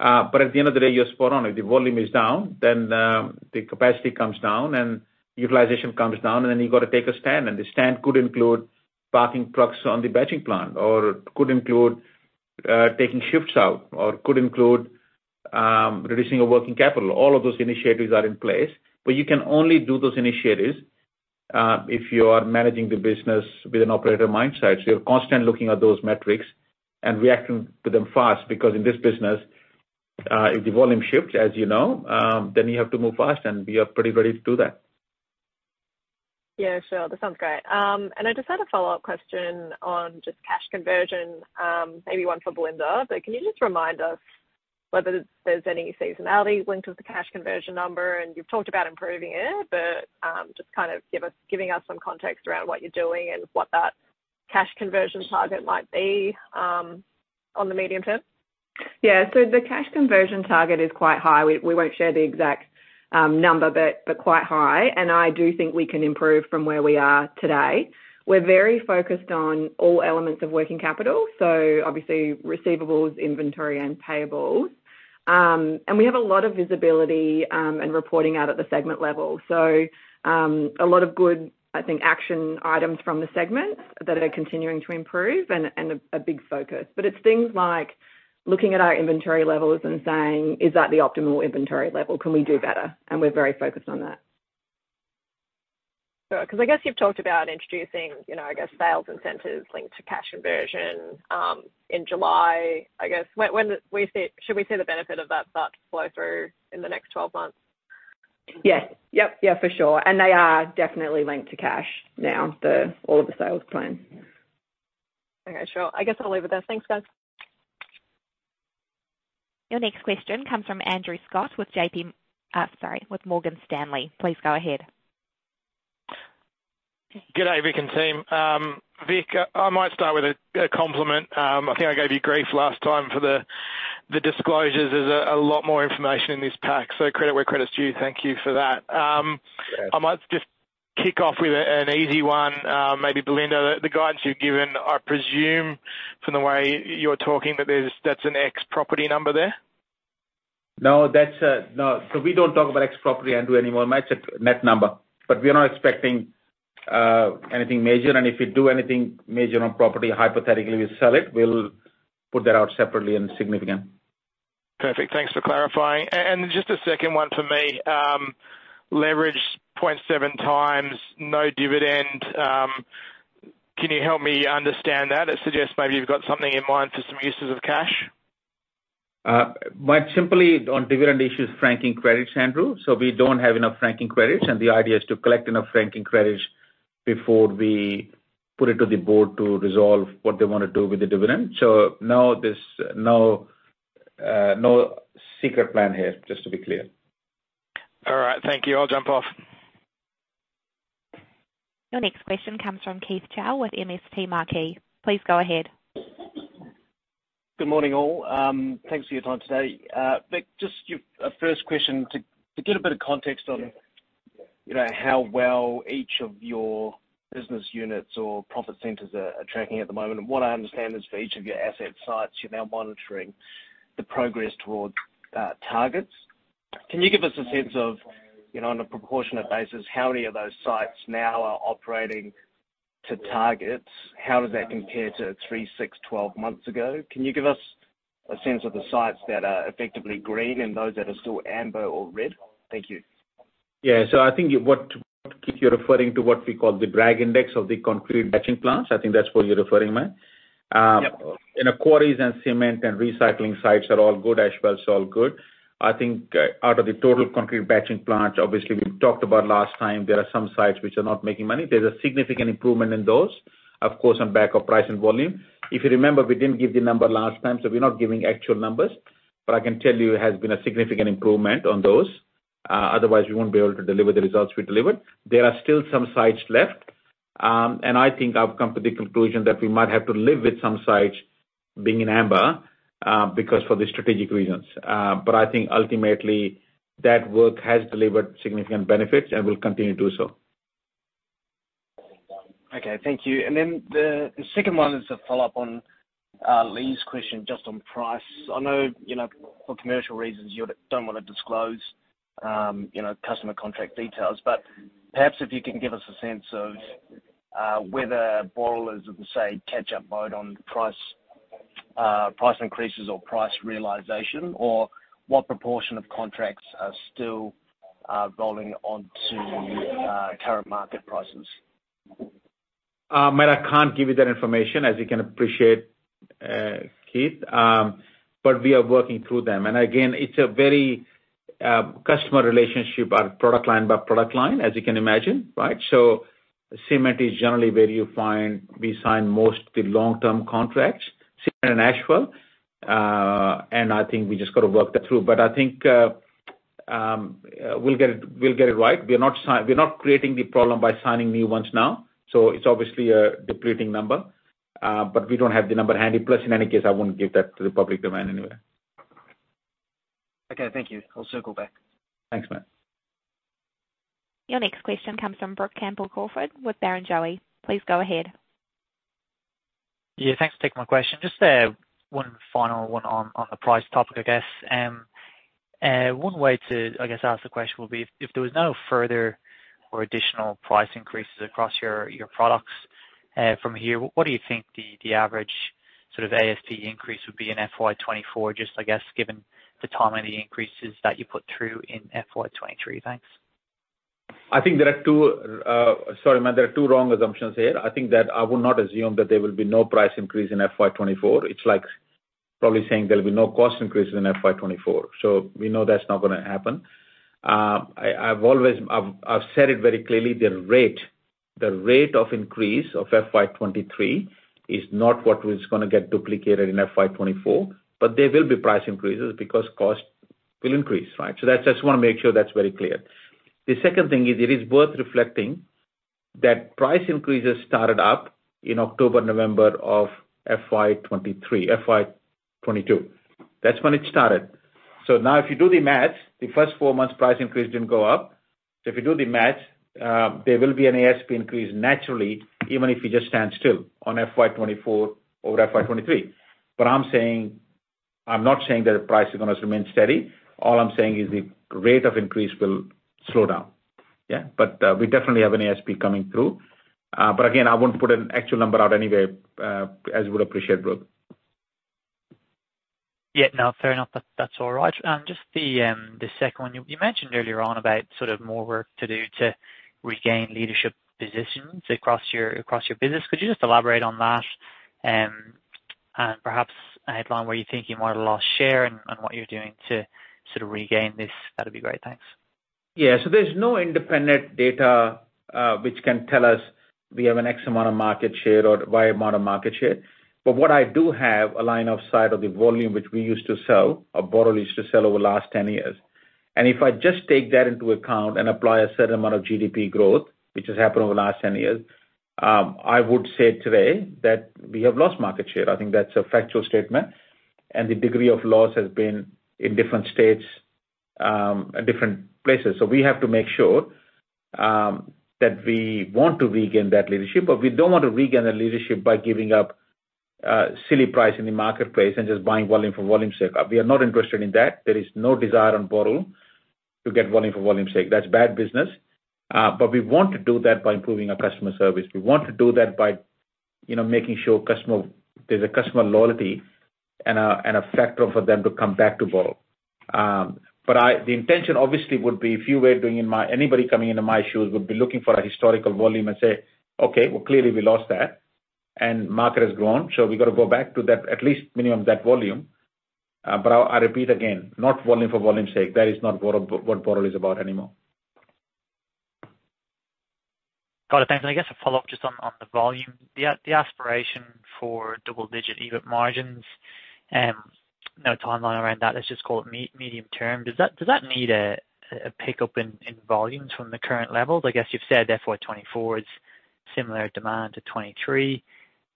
S2: At the end of the day, you're spot on. If the volume is down, then, the capacity comes down and utilization comes down, and then you've got to take a stand. The stand could include parking trucks on the batching plant or could include, taking shifts out or could include, reducing a working capital. All of those initiatives are in place, but you can only do those initiatives, if you are managing the business with an operator mindset. You're constantly looking at those metrics and reacting to them fast, because in this business, if the volume shifts, as you know, then you have to move fast, and we are pretty ready to do that.
S8: Yeah, sure. That sounds great. I just had a follow-up question on just cash conversion, maybe one for Belinda. Can you just remind us whether there's any seasonality linked with the cash conversion number? You've talked about improving it, but just kind of give us some context around what you're doing and what that cash conversion target might be on the medium term.
S3: Yeah. The cash conversion target is quite high. We, we won't share the exact number, but, but quite high, and I do think we can improve from where we are today. We're very focused on all elements of working capital, so obviously receivables, inventory, and payables. We have a lot of visibility and reporting out at the segment level. A lot of good, I think, action items from the segments that are continuing to improve and, and a, a big focus. It's things like looking at our inventory levels and saying: Is that the optimal inventory level? Can we do better? And we're very focused on that.
S8: Sure. I guess you've talked about introducing, you know, I guess, sales incentives linked to cash conversion, in July, I guess. When, when will we see? Should we see the benefit of that start to flow through in the next 12 months?
S3: Yes. Yep. Yeah, for sure. They are definitely linked to cash now, all of the sales plan.
S8: Okay, sure. I guess I'll leave it there. Thanks, guys.
S1: Your next question comes from Andrew Scott with J.P., sorry, with Morgan Stanley. Please go ahead.
S9: Good day, Vik and team. Vik, I, I might start with a, a compliment. I think I gave you grief last time for the, the disclosures. There's a, a lot more information in this pack, so credit where credit's due. Thank you for that.
S2: Yeah.
S9: I might just kick off with an easy one. Maybe Belinda, the guidance you've given, I presume from the way you're talking, that's an ex-property number there?
S2: That's no. We don't talk about ex-property, Andrew, anymore. Might check net number. We are not expecting anything major, and if we do anything major on property, hypothetically, we sell it, we'll put that out separately and significant.
S9: Perfect. Thanks for clarifying. Just a second one for me. Leverage 0.7 times, no dividend. Can you help me understand that? It suggests maybe you've got something in mind for some uses of cash.
S2: simply on dividend issues, franking credits, Andrew. We don't have enough franking credits, and the idea is to collect enough franking credits before we put it to the board to resolve what they wanna do with the dividend. Now, there's no secret plan here, just to be clear.
S9: All right. Thank you. I'll jump off.
S1: Your next question comes from Keith Chau with MST Marquee. Please go ahead.
S7: Good morning, all. Thanks for your time today. Vic, just a first question to get a bit of context on...
S2: Yeah...
S7: you know, how well each of your business units or profit centers are, are tracking at the moment. What I understand is, for each of your asset sites, you're now monitoring the progress towards targets. Can you give us a sense of, you know, on a proportionate basis, how many of those sites now are operating to targets? How does that compare to three, six, 12 months ago? Can you give us a sense of the sites that are effectively green and those that are still amber or red? Thank you.
S2: Yeah. I think what, what, Keith, you're referring to, what we call the drag index of the concrete batching plants. I think that's what you're referring, mate.
S7: Yep.
S2: In our quarries and cement and recycling sites are all good, Asphalt's all good. I think, out of the total concrete batching plants, obviously, we've talked about last time, there are some sites which are not making money. There's a significant improvement in those, of course, on back of price and volume. If you remember, we didn't give the number last time, so we're not giving actual numbers, but I can tell you it has been a significant improvement on those. Otherwise, we won't be able to deliver the results we delivered. There are still some sites left, and I think I've come to the conclusion that we might have to live with some sites being in amber, because for the strategic reasons. I think ultimately, that work has delivered significant benefits and will continue to do so.
S7: Okay, thank you. The second one is a follow-up on Lee Power's question, just on price. I know, you know, for commercial reasons, you don't wanna disclose, you know, customer contract details, but perhaps if you can give us a sense of whether Boral is, let me say, catch up mode on price, price increases or price realization, or what proportion of contracts are still rolling onto current market prices?
S2: Matt, I can't give you that information, as you can appreciate, Keith. We are working through them. Again, it's a very customer relationship or product line by product line, as you can imagine, right? Cement is generally where you find we sign most the long-term contracts, Cement and Asphalt, and I think we just got to work that through. I think we'll get it, we'll get it right. We're not creating the problem by signing new ones now, so it's obviously a depleting number, we don't have the number handy. In any case, I wouldn't give that to the public domain anyway.
S7: Okay, thank you. I'll circle back.
S2: Thanks, Matt.
S1: Your next question comes from Brook Campbell-Crawford with Barrenjoey. Please go ahead.
S10: Yeah, thanks for taking my question. Just, 1 final 1 on, on the price topic, I guess. 1 way to, I guess, ask the question would be: If, if there was no further or additional price increases across your, your products, from here, what do you think the, the average sort of ASP increase would be in FY 2024, just I guess, given the timing of the increases that you put through in FY 2023? Thanks.
S2: I think there are two, sorry, Matt, there are two wrong assumptions here. I think that I would not assume that there will be no price increase in FY 2024. It's like probably saying there will be no cost increases in FY 2024. We know that's not gonna happen. I've said it very clearly, the rate, the rate of increase of FY 2023 is not what is gonna get duplicated in FY 2024, but there will be price increases because cost will increase, right? That's just wanna make sure that's very clear. The second thing is, it is worth reflecting that price increases started up in October, November of FY 2023, FY 2022. That's when it started. Now if you do the math, the first four months, price increase didn't go up. If you do the math, there will be an ASP increase naturally, even if you just stand still on FY 2024 over FY 2023. I'm saying, I'm not saying that the price is gonna remain steady. All I'm saying is the rate of increase will slow down. Yeah, we definitely have an ASP coming through. Again, I wouldn't put an actual number out anyway, as you would appreciate, Brook.
S10: Yeah, no, fair enough. That, that's all right. Just the, the second one. You, you mentioned earlier on about sort of more work to do to regain leadership positions across your, across your business. Could you just elaborate on that, and perhaps a headline where you think you might have lost share and what you're doing to sort of regain this? That'd be great. Thanks.
S2: Yeah. There's no independent data which can tell us we have an X amount of market share or Y amount of market share. What I do have a line of sight of the volume which we used to sell, or Boral used to sell over the last 10 years. If I just take that into account and apply a certain amount of GDP growth, which has happened over the last 10 years, I would say today that we have lost market share. I think that's a factual statement. The degree of loss has been in different states at different places. We have to make sure that we want to regain that leadership, we don't want to regain that leadership by giving up silly price in the marketplace and just buying volume for volume's sake. We are not interested in that. There is no desire on Boral to get volume for volume's sake. That's bad business. We want to do that by improving our customer service. We want to do that by, you know, making sure there's a customer loyalty and a, and a factor for them to come back to Boral. The intention obviously would be Anybody coming into my shoes would be looking for a historical volume and say, "Okay, well, clearly we lost that, and market has grown, so we got to go back to that, at least minimum that volume." I, I repeat, again, not volume for volume's sake. That is not Boral, what Boral is about anymore.
S10: Got it. Thanks. I guess a follow-up just on, on the volume. The aspiration for double-digit EBIT margins, no timeline around that. Let's just call it medium term. Does that, does that need a, a pickup in, in volumes from the current levels? I guess you've said therefore 2024 is similar demand to 2023,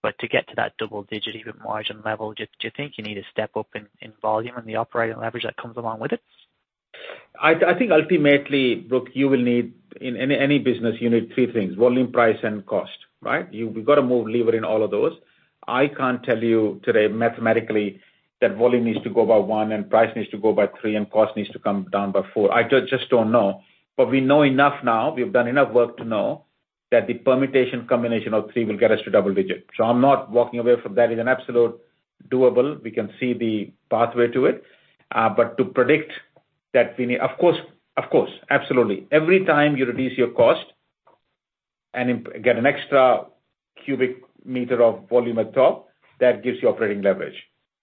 S10: but to get to that double-digit EBIT margin level, do you, do you think you need a step up in, in volume and the operating leverage that comes along with it?
S2: I think ultimately, Brook, you will need, in any business, you need 3 things: volume, price, and cost, right? We've got to move lever in all of those. I can't tell you today mathematically that volume needs to go by 1, and price needs to go by 3, and cost needs to come down by 4. I just don't know. We know enough now, we've done enough work to know that the permutation combination of 3 will get us to double-digit. I'm not walking away from that. That is an absolute doable. We can see the pathway to it. To predict that we need... Of course, of course, absolutely. Every time you reduce your cost and get an extra cubic meter of volume atop, that gives you operating leverage,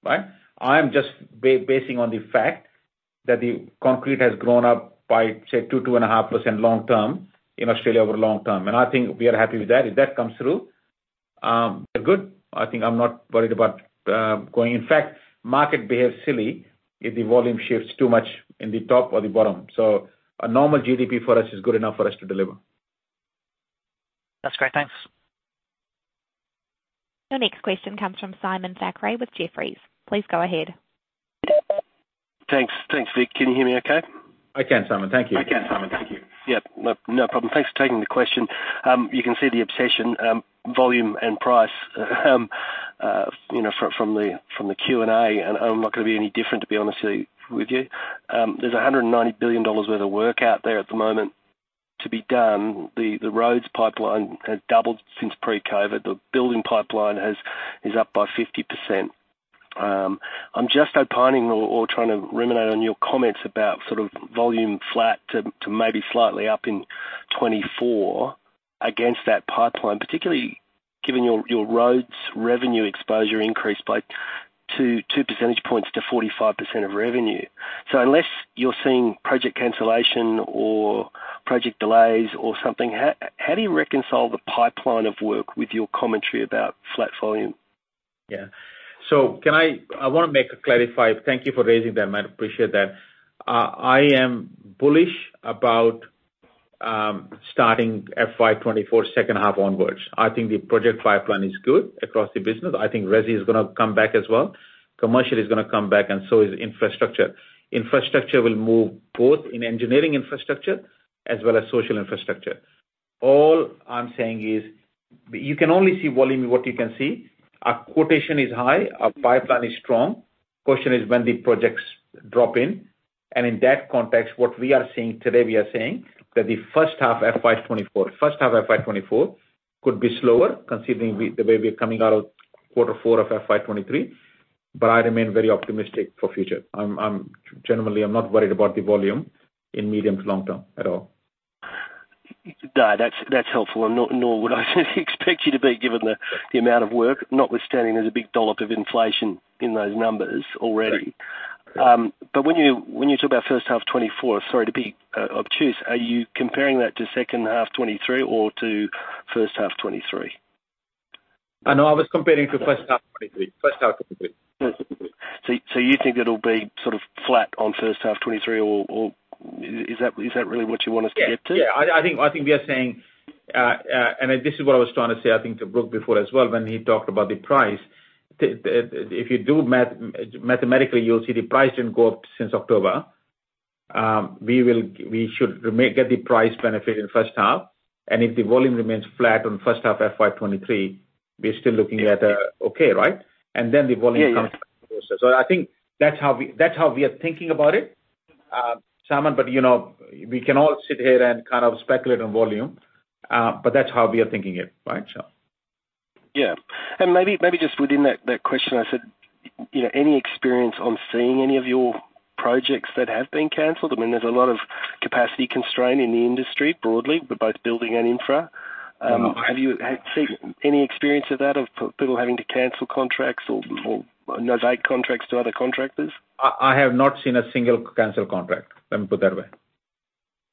S2: right? I'm just basing on the fact that the concrete has grown up by, say, 2, 2.5% long term, in Australia, over long term. I think we are happy with that. If that comes through, we're good. I think I'm not worried about going... In fact, market behaves silly if the volume shifts too much in the top or the bottom. A normal GDP for us is good enough for us to deliver.
S10: That's great. Thanks.
S1: Your next question comes from Simon Thackray with Jefferies. Please go ahead.
S11: Thanks. Thanks, Vik. Can you hear me okay?
S2: I can, Simon. Thank you.
S11: I can, Simon. Thank you. Yep, no, no problem. Thanks for taking the question. You can see the obsession, volume and price, you know, from, from the, from the Q&A, and I'm not going to be any different, to be honest with you. There's 190 billion dollars worth of work out there at the moment to be done. The, the roads pipeline has doubled since pre-COVID. The building pipeline is up by 50%. I'm just opining or, or trying to ruminate on your comments about sort of volume flat to, to maybe slightly up in 2024 against that pipeline, particularly given your, your roads revenue exposure increased by 2, 2 percentage points to 45% of revenue. Unless you're seeing project cancellation or project delays or something, how do you reconcile the pipeline of work with your commentary about flat volume?
S2: Yeah. I want to make a clarify. Thank you for raising that, mate. I appreciate that. I am bullish about starting FY 2024, second half onwards. I think the project pipeline is good across the business. I think resi is gonna come back as well. Commercial is gonna come back, and so is infrastructure. Infrastructure will move both in engineering infrastructure as well as social infrastructure. All I'm saying is, you can only see volume, what you can see. Our quotation is high, our pipeline is strong. Question is when the projects drop in, and in that context, what we are seeing today, we are saying that the first half FY 2024, first half FY 2024 could be slower considering the way we are coming out of quarter four of FY 2023, but I remain very optimistic for future. Generally, I'm not worried about the volume in medium to long term at all.
S11: No, that's, that's helpful. Nor, nor would I expect you to be, given the, the amount of work, notwithstanding there's a big dollop of inflation in those numbers already.
S2: Right.
S11: When you, when you talk about first half of 2024, sorry to be, obtuse, are you comparing that to second half 2023 or to first half 2023?
S2: No, I was comparing to first half 2023. First half 2023.
S11: You think it'll be sort of flat on first half 2023 or is that really what you want us to get to?
S2: Yeah. Yeah, I, I think, I think we are saying, and this is what I was trying to say, I think, to Brook before as well, when he talked about the price. If you do mathematically, you'll see the price didn't go up since October. We should remain, get the price benefit in first half, and if the volume remains flat on first half FY23, we're still looking at, okay, right?
S11: Yeah, yeah.
S2: Then the volume comes back closer. I think that's how we, that's how we are thinking about it, Simon, but, you know, we can all sit here and kind of speculate on volume, but that's how we are thinking it, right, so.
S11: Yeah. Maybe, maybe just within that, that question, I said, you know, any experience on seeing any of your projects that have been canceled? I mean, there's a lot of capacity constraint in the industry broadly, but both building and infra.
S2: Mm-hmm.
S11: Have you had seen any experience of that, of people having to cancel contracts or, or novate contracts to other contractors?
S2: I have not seen a single canceled contract, let me put it that way.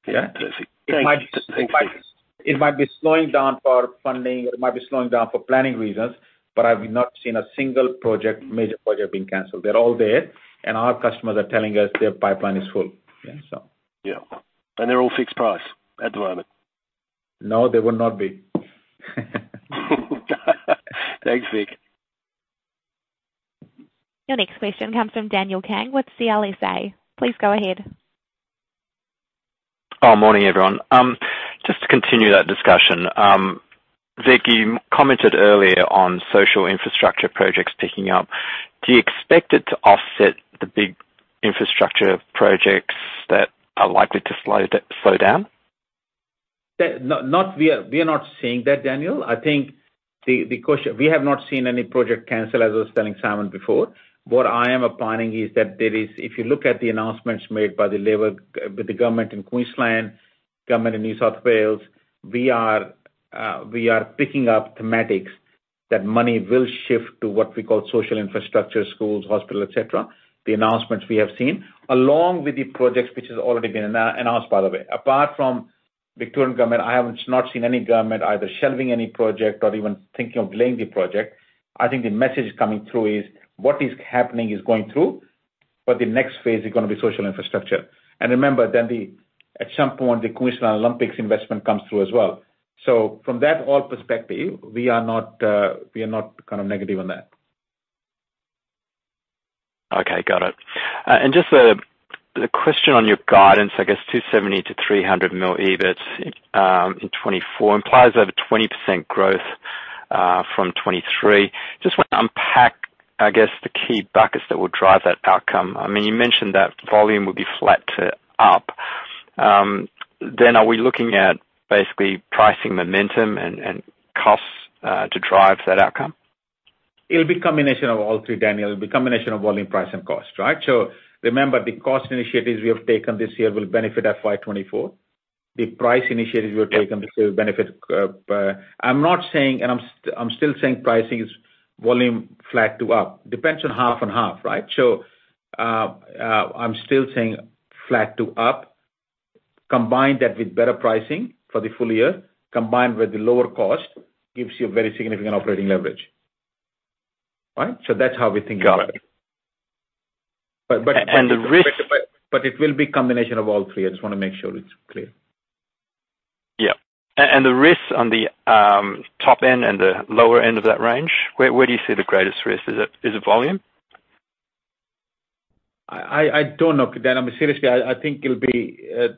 S11: Yeah, terrific.
S2: It might-
S11: Thank you.
S2: It might be slowing down for funding, or it might be slowing down for planning reasons, but I've not seen a single project, major project being canceled. They're all there, and our customers are telling us their pipeline is full. Yeah, so.
S11: Yeah. They're all fixed price at the moment?
S2: No, they will not be. Thanks, Vic.
S1: Your next question comes from Daniel Kang with CLSA. Please go ahead.
S12: Oh, morning, everyone. Just to continue that discussion, Vik, you commented earlier on social infrastructure projects picking up. Do you expect it to offset the big infrastructure projects that are likely to slow down?
S2: No, not we are, we are not seeing that, Daniel. I think the question, we have not seen any project canceled, as I was telling Simon before. What I am applying is that there is. If you look at the announcements made by the Labor, with the government in Queensland, government in New South Wales, we are picking up thematics that money will shift to what we call social infrastructure, schools, hospital, et cetera. The announcements we have seen, along with the projects which has already been announced, by the way. Apart from Victorian government, I have not seen any government either shelving any project or even thinking of delaying the project. I think the message coming through is, what is happening is going through, but the next phase is gonna be social infrastructure. Remember, at some point, the Queensland Olympics investment comes through as well. From that all perspective, we are not, we are not kind of negative on that.
S12: Okay, got it. Just a question on your guidance, 270 million-300 million EBIT in 2024 implies over 20% growth from 2023. Just want to unpack the key buckets that will drive that outcome. You mentioned that volume will be flat to up. Then are we looking at pricing momentum and costs to drive that outcome?
S2: It'll be a combination of all three, Daniel. It'll be a combination of volume, price, and cost, right? Remember, the cost initiatives we have taken this year will benefit FY 24. The price initiatives we have taken this year will benefit. I'm not saying, and I'm still saying pricing is volume flat to up. Depends on half and half, right? I'm still saying flat to up. Combine that with better pricing for the full year, combined with the lower cost, gives you a very significant operating leverage. Right? That's how we're thinking about it.
S12: Got it. The risk...
S2: It will be a combination of all three. I just want to make sure it's clear.
S12: Yeah. The risks on the top end and the lower end of that range, where, where do you see the greatest risk? Is it, is it volume?
S2: I don't know, Daniel. Seriously, I think it'll be,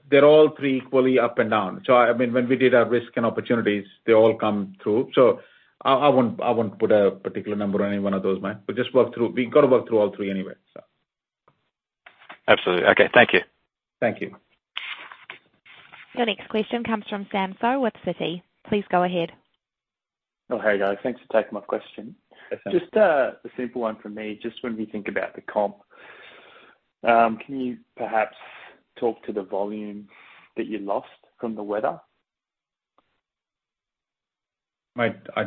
S2: they're all three equally up and down. I mean, when we did our risk and opportunities, they all come through. I wouldn't, I wouldn't put a particular number on any one of those, mate. We gotta work through all three anyway, so.
S12: Absolutely. Okay. Thank you.
S2: Thank you.
S1: Your next question comes from Sam Seow with Citi. Please go ahead.
S13: Oh, hey, guys. Thanks for taking my question.
S2: Yes, Sam.
S13: Just, a simple one from me. Just when we think about the comp, can you perhaps talk to the volume that you lost from the weather?
S2: Mate, I,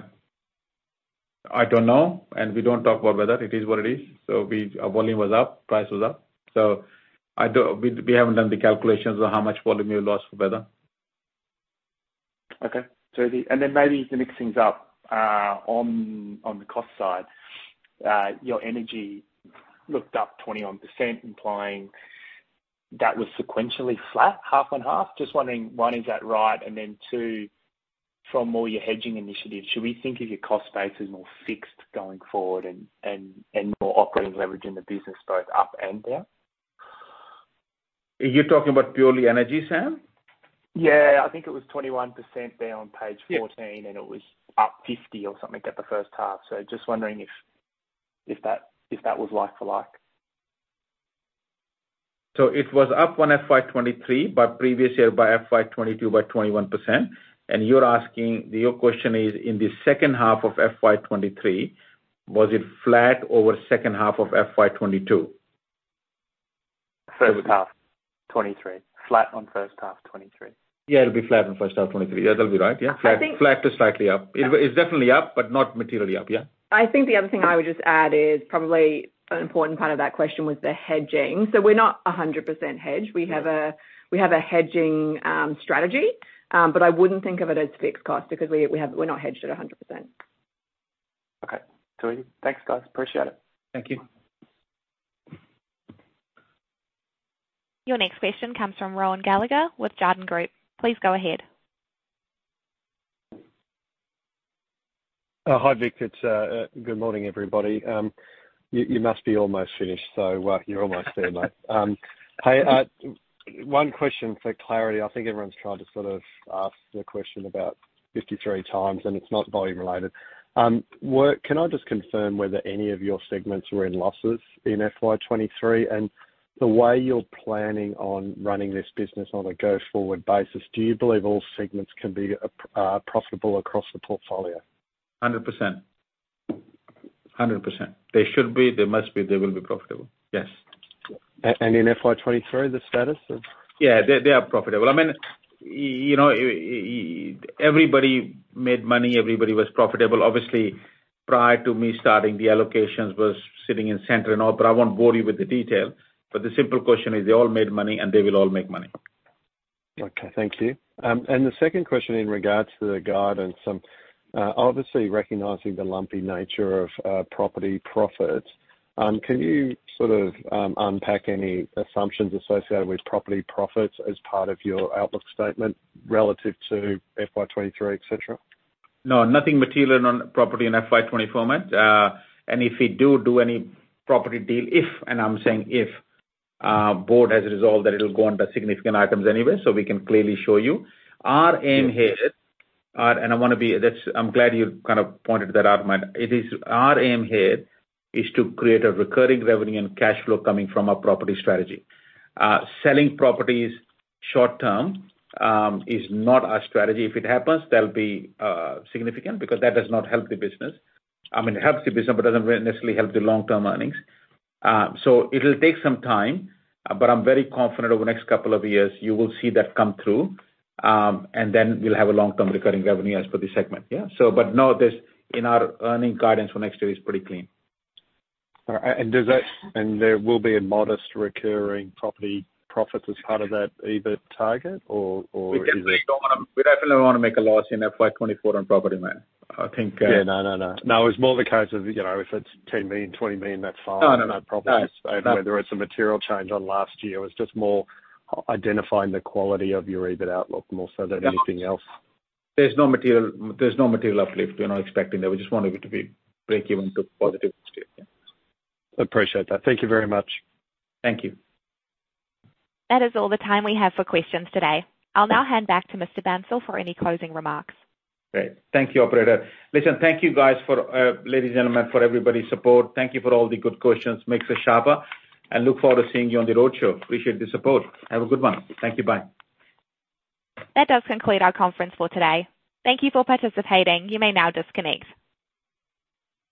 S2: I don't know. We don't talk about weather. It is what it is. Our volume was up, price was up. I don't. We haven't done the calculations on how much volume we lost for weather.
S13: Okay. Then maybe to mix things up, on, on the cost side, your energy looked up 21%, implying that was sequentially flat, half and half. Just wondering, 1, is that right? Then, 2, from all your hedging initiatives, should we think of your cost base as more fixed going forward and more operating leverage in the business, both up and down?
S2: You're talking about purely energy, Sam?
S13: Yeah, I think it was 21% there on page 14, and it was up 50 or something at the first half. Just wondering if, if that, if that was like for like.
S2: It was up on FY 2023, but previous year by FY 2022 by 21%. You're asking, your question is, in the second half of FY 2023, was it flat over second half of FY 2022?
S13: First half, 2023. Flat on first half, 2023.
S2: Yeah, it'll be flat on first half 2023. Yeah, that'll be right. Yeah.
S3: I think-
S2: Flat to slightly up. It, it's definitely up, but not materially up. Yeah.
S3: I think the other thing I would just add is, probably an important part of that question was the hedging. We're not 100% hedged.
S2: Yes.
S3: We have a, we have a hedging strategy, but I wouldn't think of it as fixed cost because we, we're not hedged at 100%.
S13: Okay. Sweetie. Thanks, guys. Appreciate it.
S2: Thank you.
S1: Your next question comes from Rohan Gallagher with Jarden Group. Please go ahead.
S14: Hi, Vik. It's... Good morning, everybody. You, you must be almost finished, so, you're almost there, mate. Hey, one question for clarity. I think everyone's tried to sort of ask the question about 53 times, and it's not volume related. Can I just confirm whether any of your segments were in losses in FY 2023, and the way you're planning on running this business on a go-forward basis, do you believe all segments can be profitable across the portfolio?
S2: 100%. 100%. They should be, they must be, they will be profitable. Yes.
S14: In FY 23, the status is?
S2: Yeah, they, they are profitable. I mean, you know, everybody made money, everybody was profitable. Obviously, prior to me starting, the allocations was sitting in center and all, but I won't bore you with the detail. The simple question is, they all made money, and they will all make money.
S14: Okay. Thank you. The second question in regards to the guidance, obviously recognizing the lumpy nature of property profits. Can you sort of unpack any assumptions associated with property profits as part of your outlook statement relative to FY 23, et cetera?
S2: No, nothing material on property in FY 24 months. If we do, do any property deal, if, and I'm saying if, board has resolved that it'll go under significant items anyway, so we can clearly show you. Our aim here, that's I'm glad you kind of pointed that out, Matt. It is our aim here is to create a recurring revenue and cash flow coming from our property strategy. Selling properties short term is not our strategy. If it happens, that'll be significant because that does not help the business. I mean, it helps the business, but doesn't necessarily help the long-term earnings. It'll take some time, but I'm very confident over the next couple of years you will see that come through. Then we'll have a long-term recurring revenue as for this segment. Yeah. No, this in our earning guidance for next year is pretty clean.
S14: All right. There will be a modest recurring property profits as part of that EBIT target?
S2: We definitely don't wanna make a loss in FY 2024 on property, Matt. I think.
S14: Yeah. No, no, no. No, it's more the case of, you know, if it's 10 million, 20 million, that's fine.
S2: No, no, no.
S14: Whether it's a material change on last year, it's just more identifying the quality of your EBIT outlook more so than anything else.
S2: There's no material, there's no material uplift we're not expecting there. We just want it to be breakeven to positive this year.
S14: Appreciate that. Thank you very much.
S2: Thank you.
S1: That is all the time we have for questions today. I'll now hand back to Mr. Bansal for any closing remarks.
S2: Great. Thank you, operator. Listen, thank you, guys, for ladies and gentlemen, for everybody's support. Thank you for all the good questions. Makes us sharper, and look forward to seeing you on the road show. Appreciate the support. Have a good one. Thank you. Bye.
S1: That does conclude our conference for today. Thank you for participating. You may now disconnect.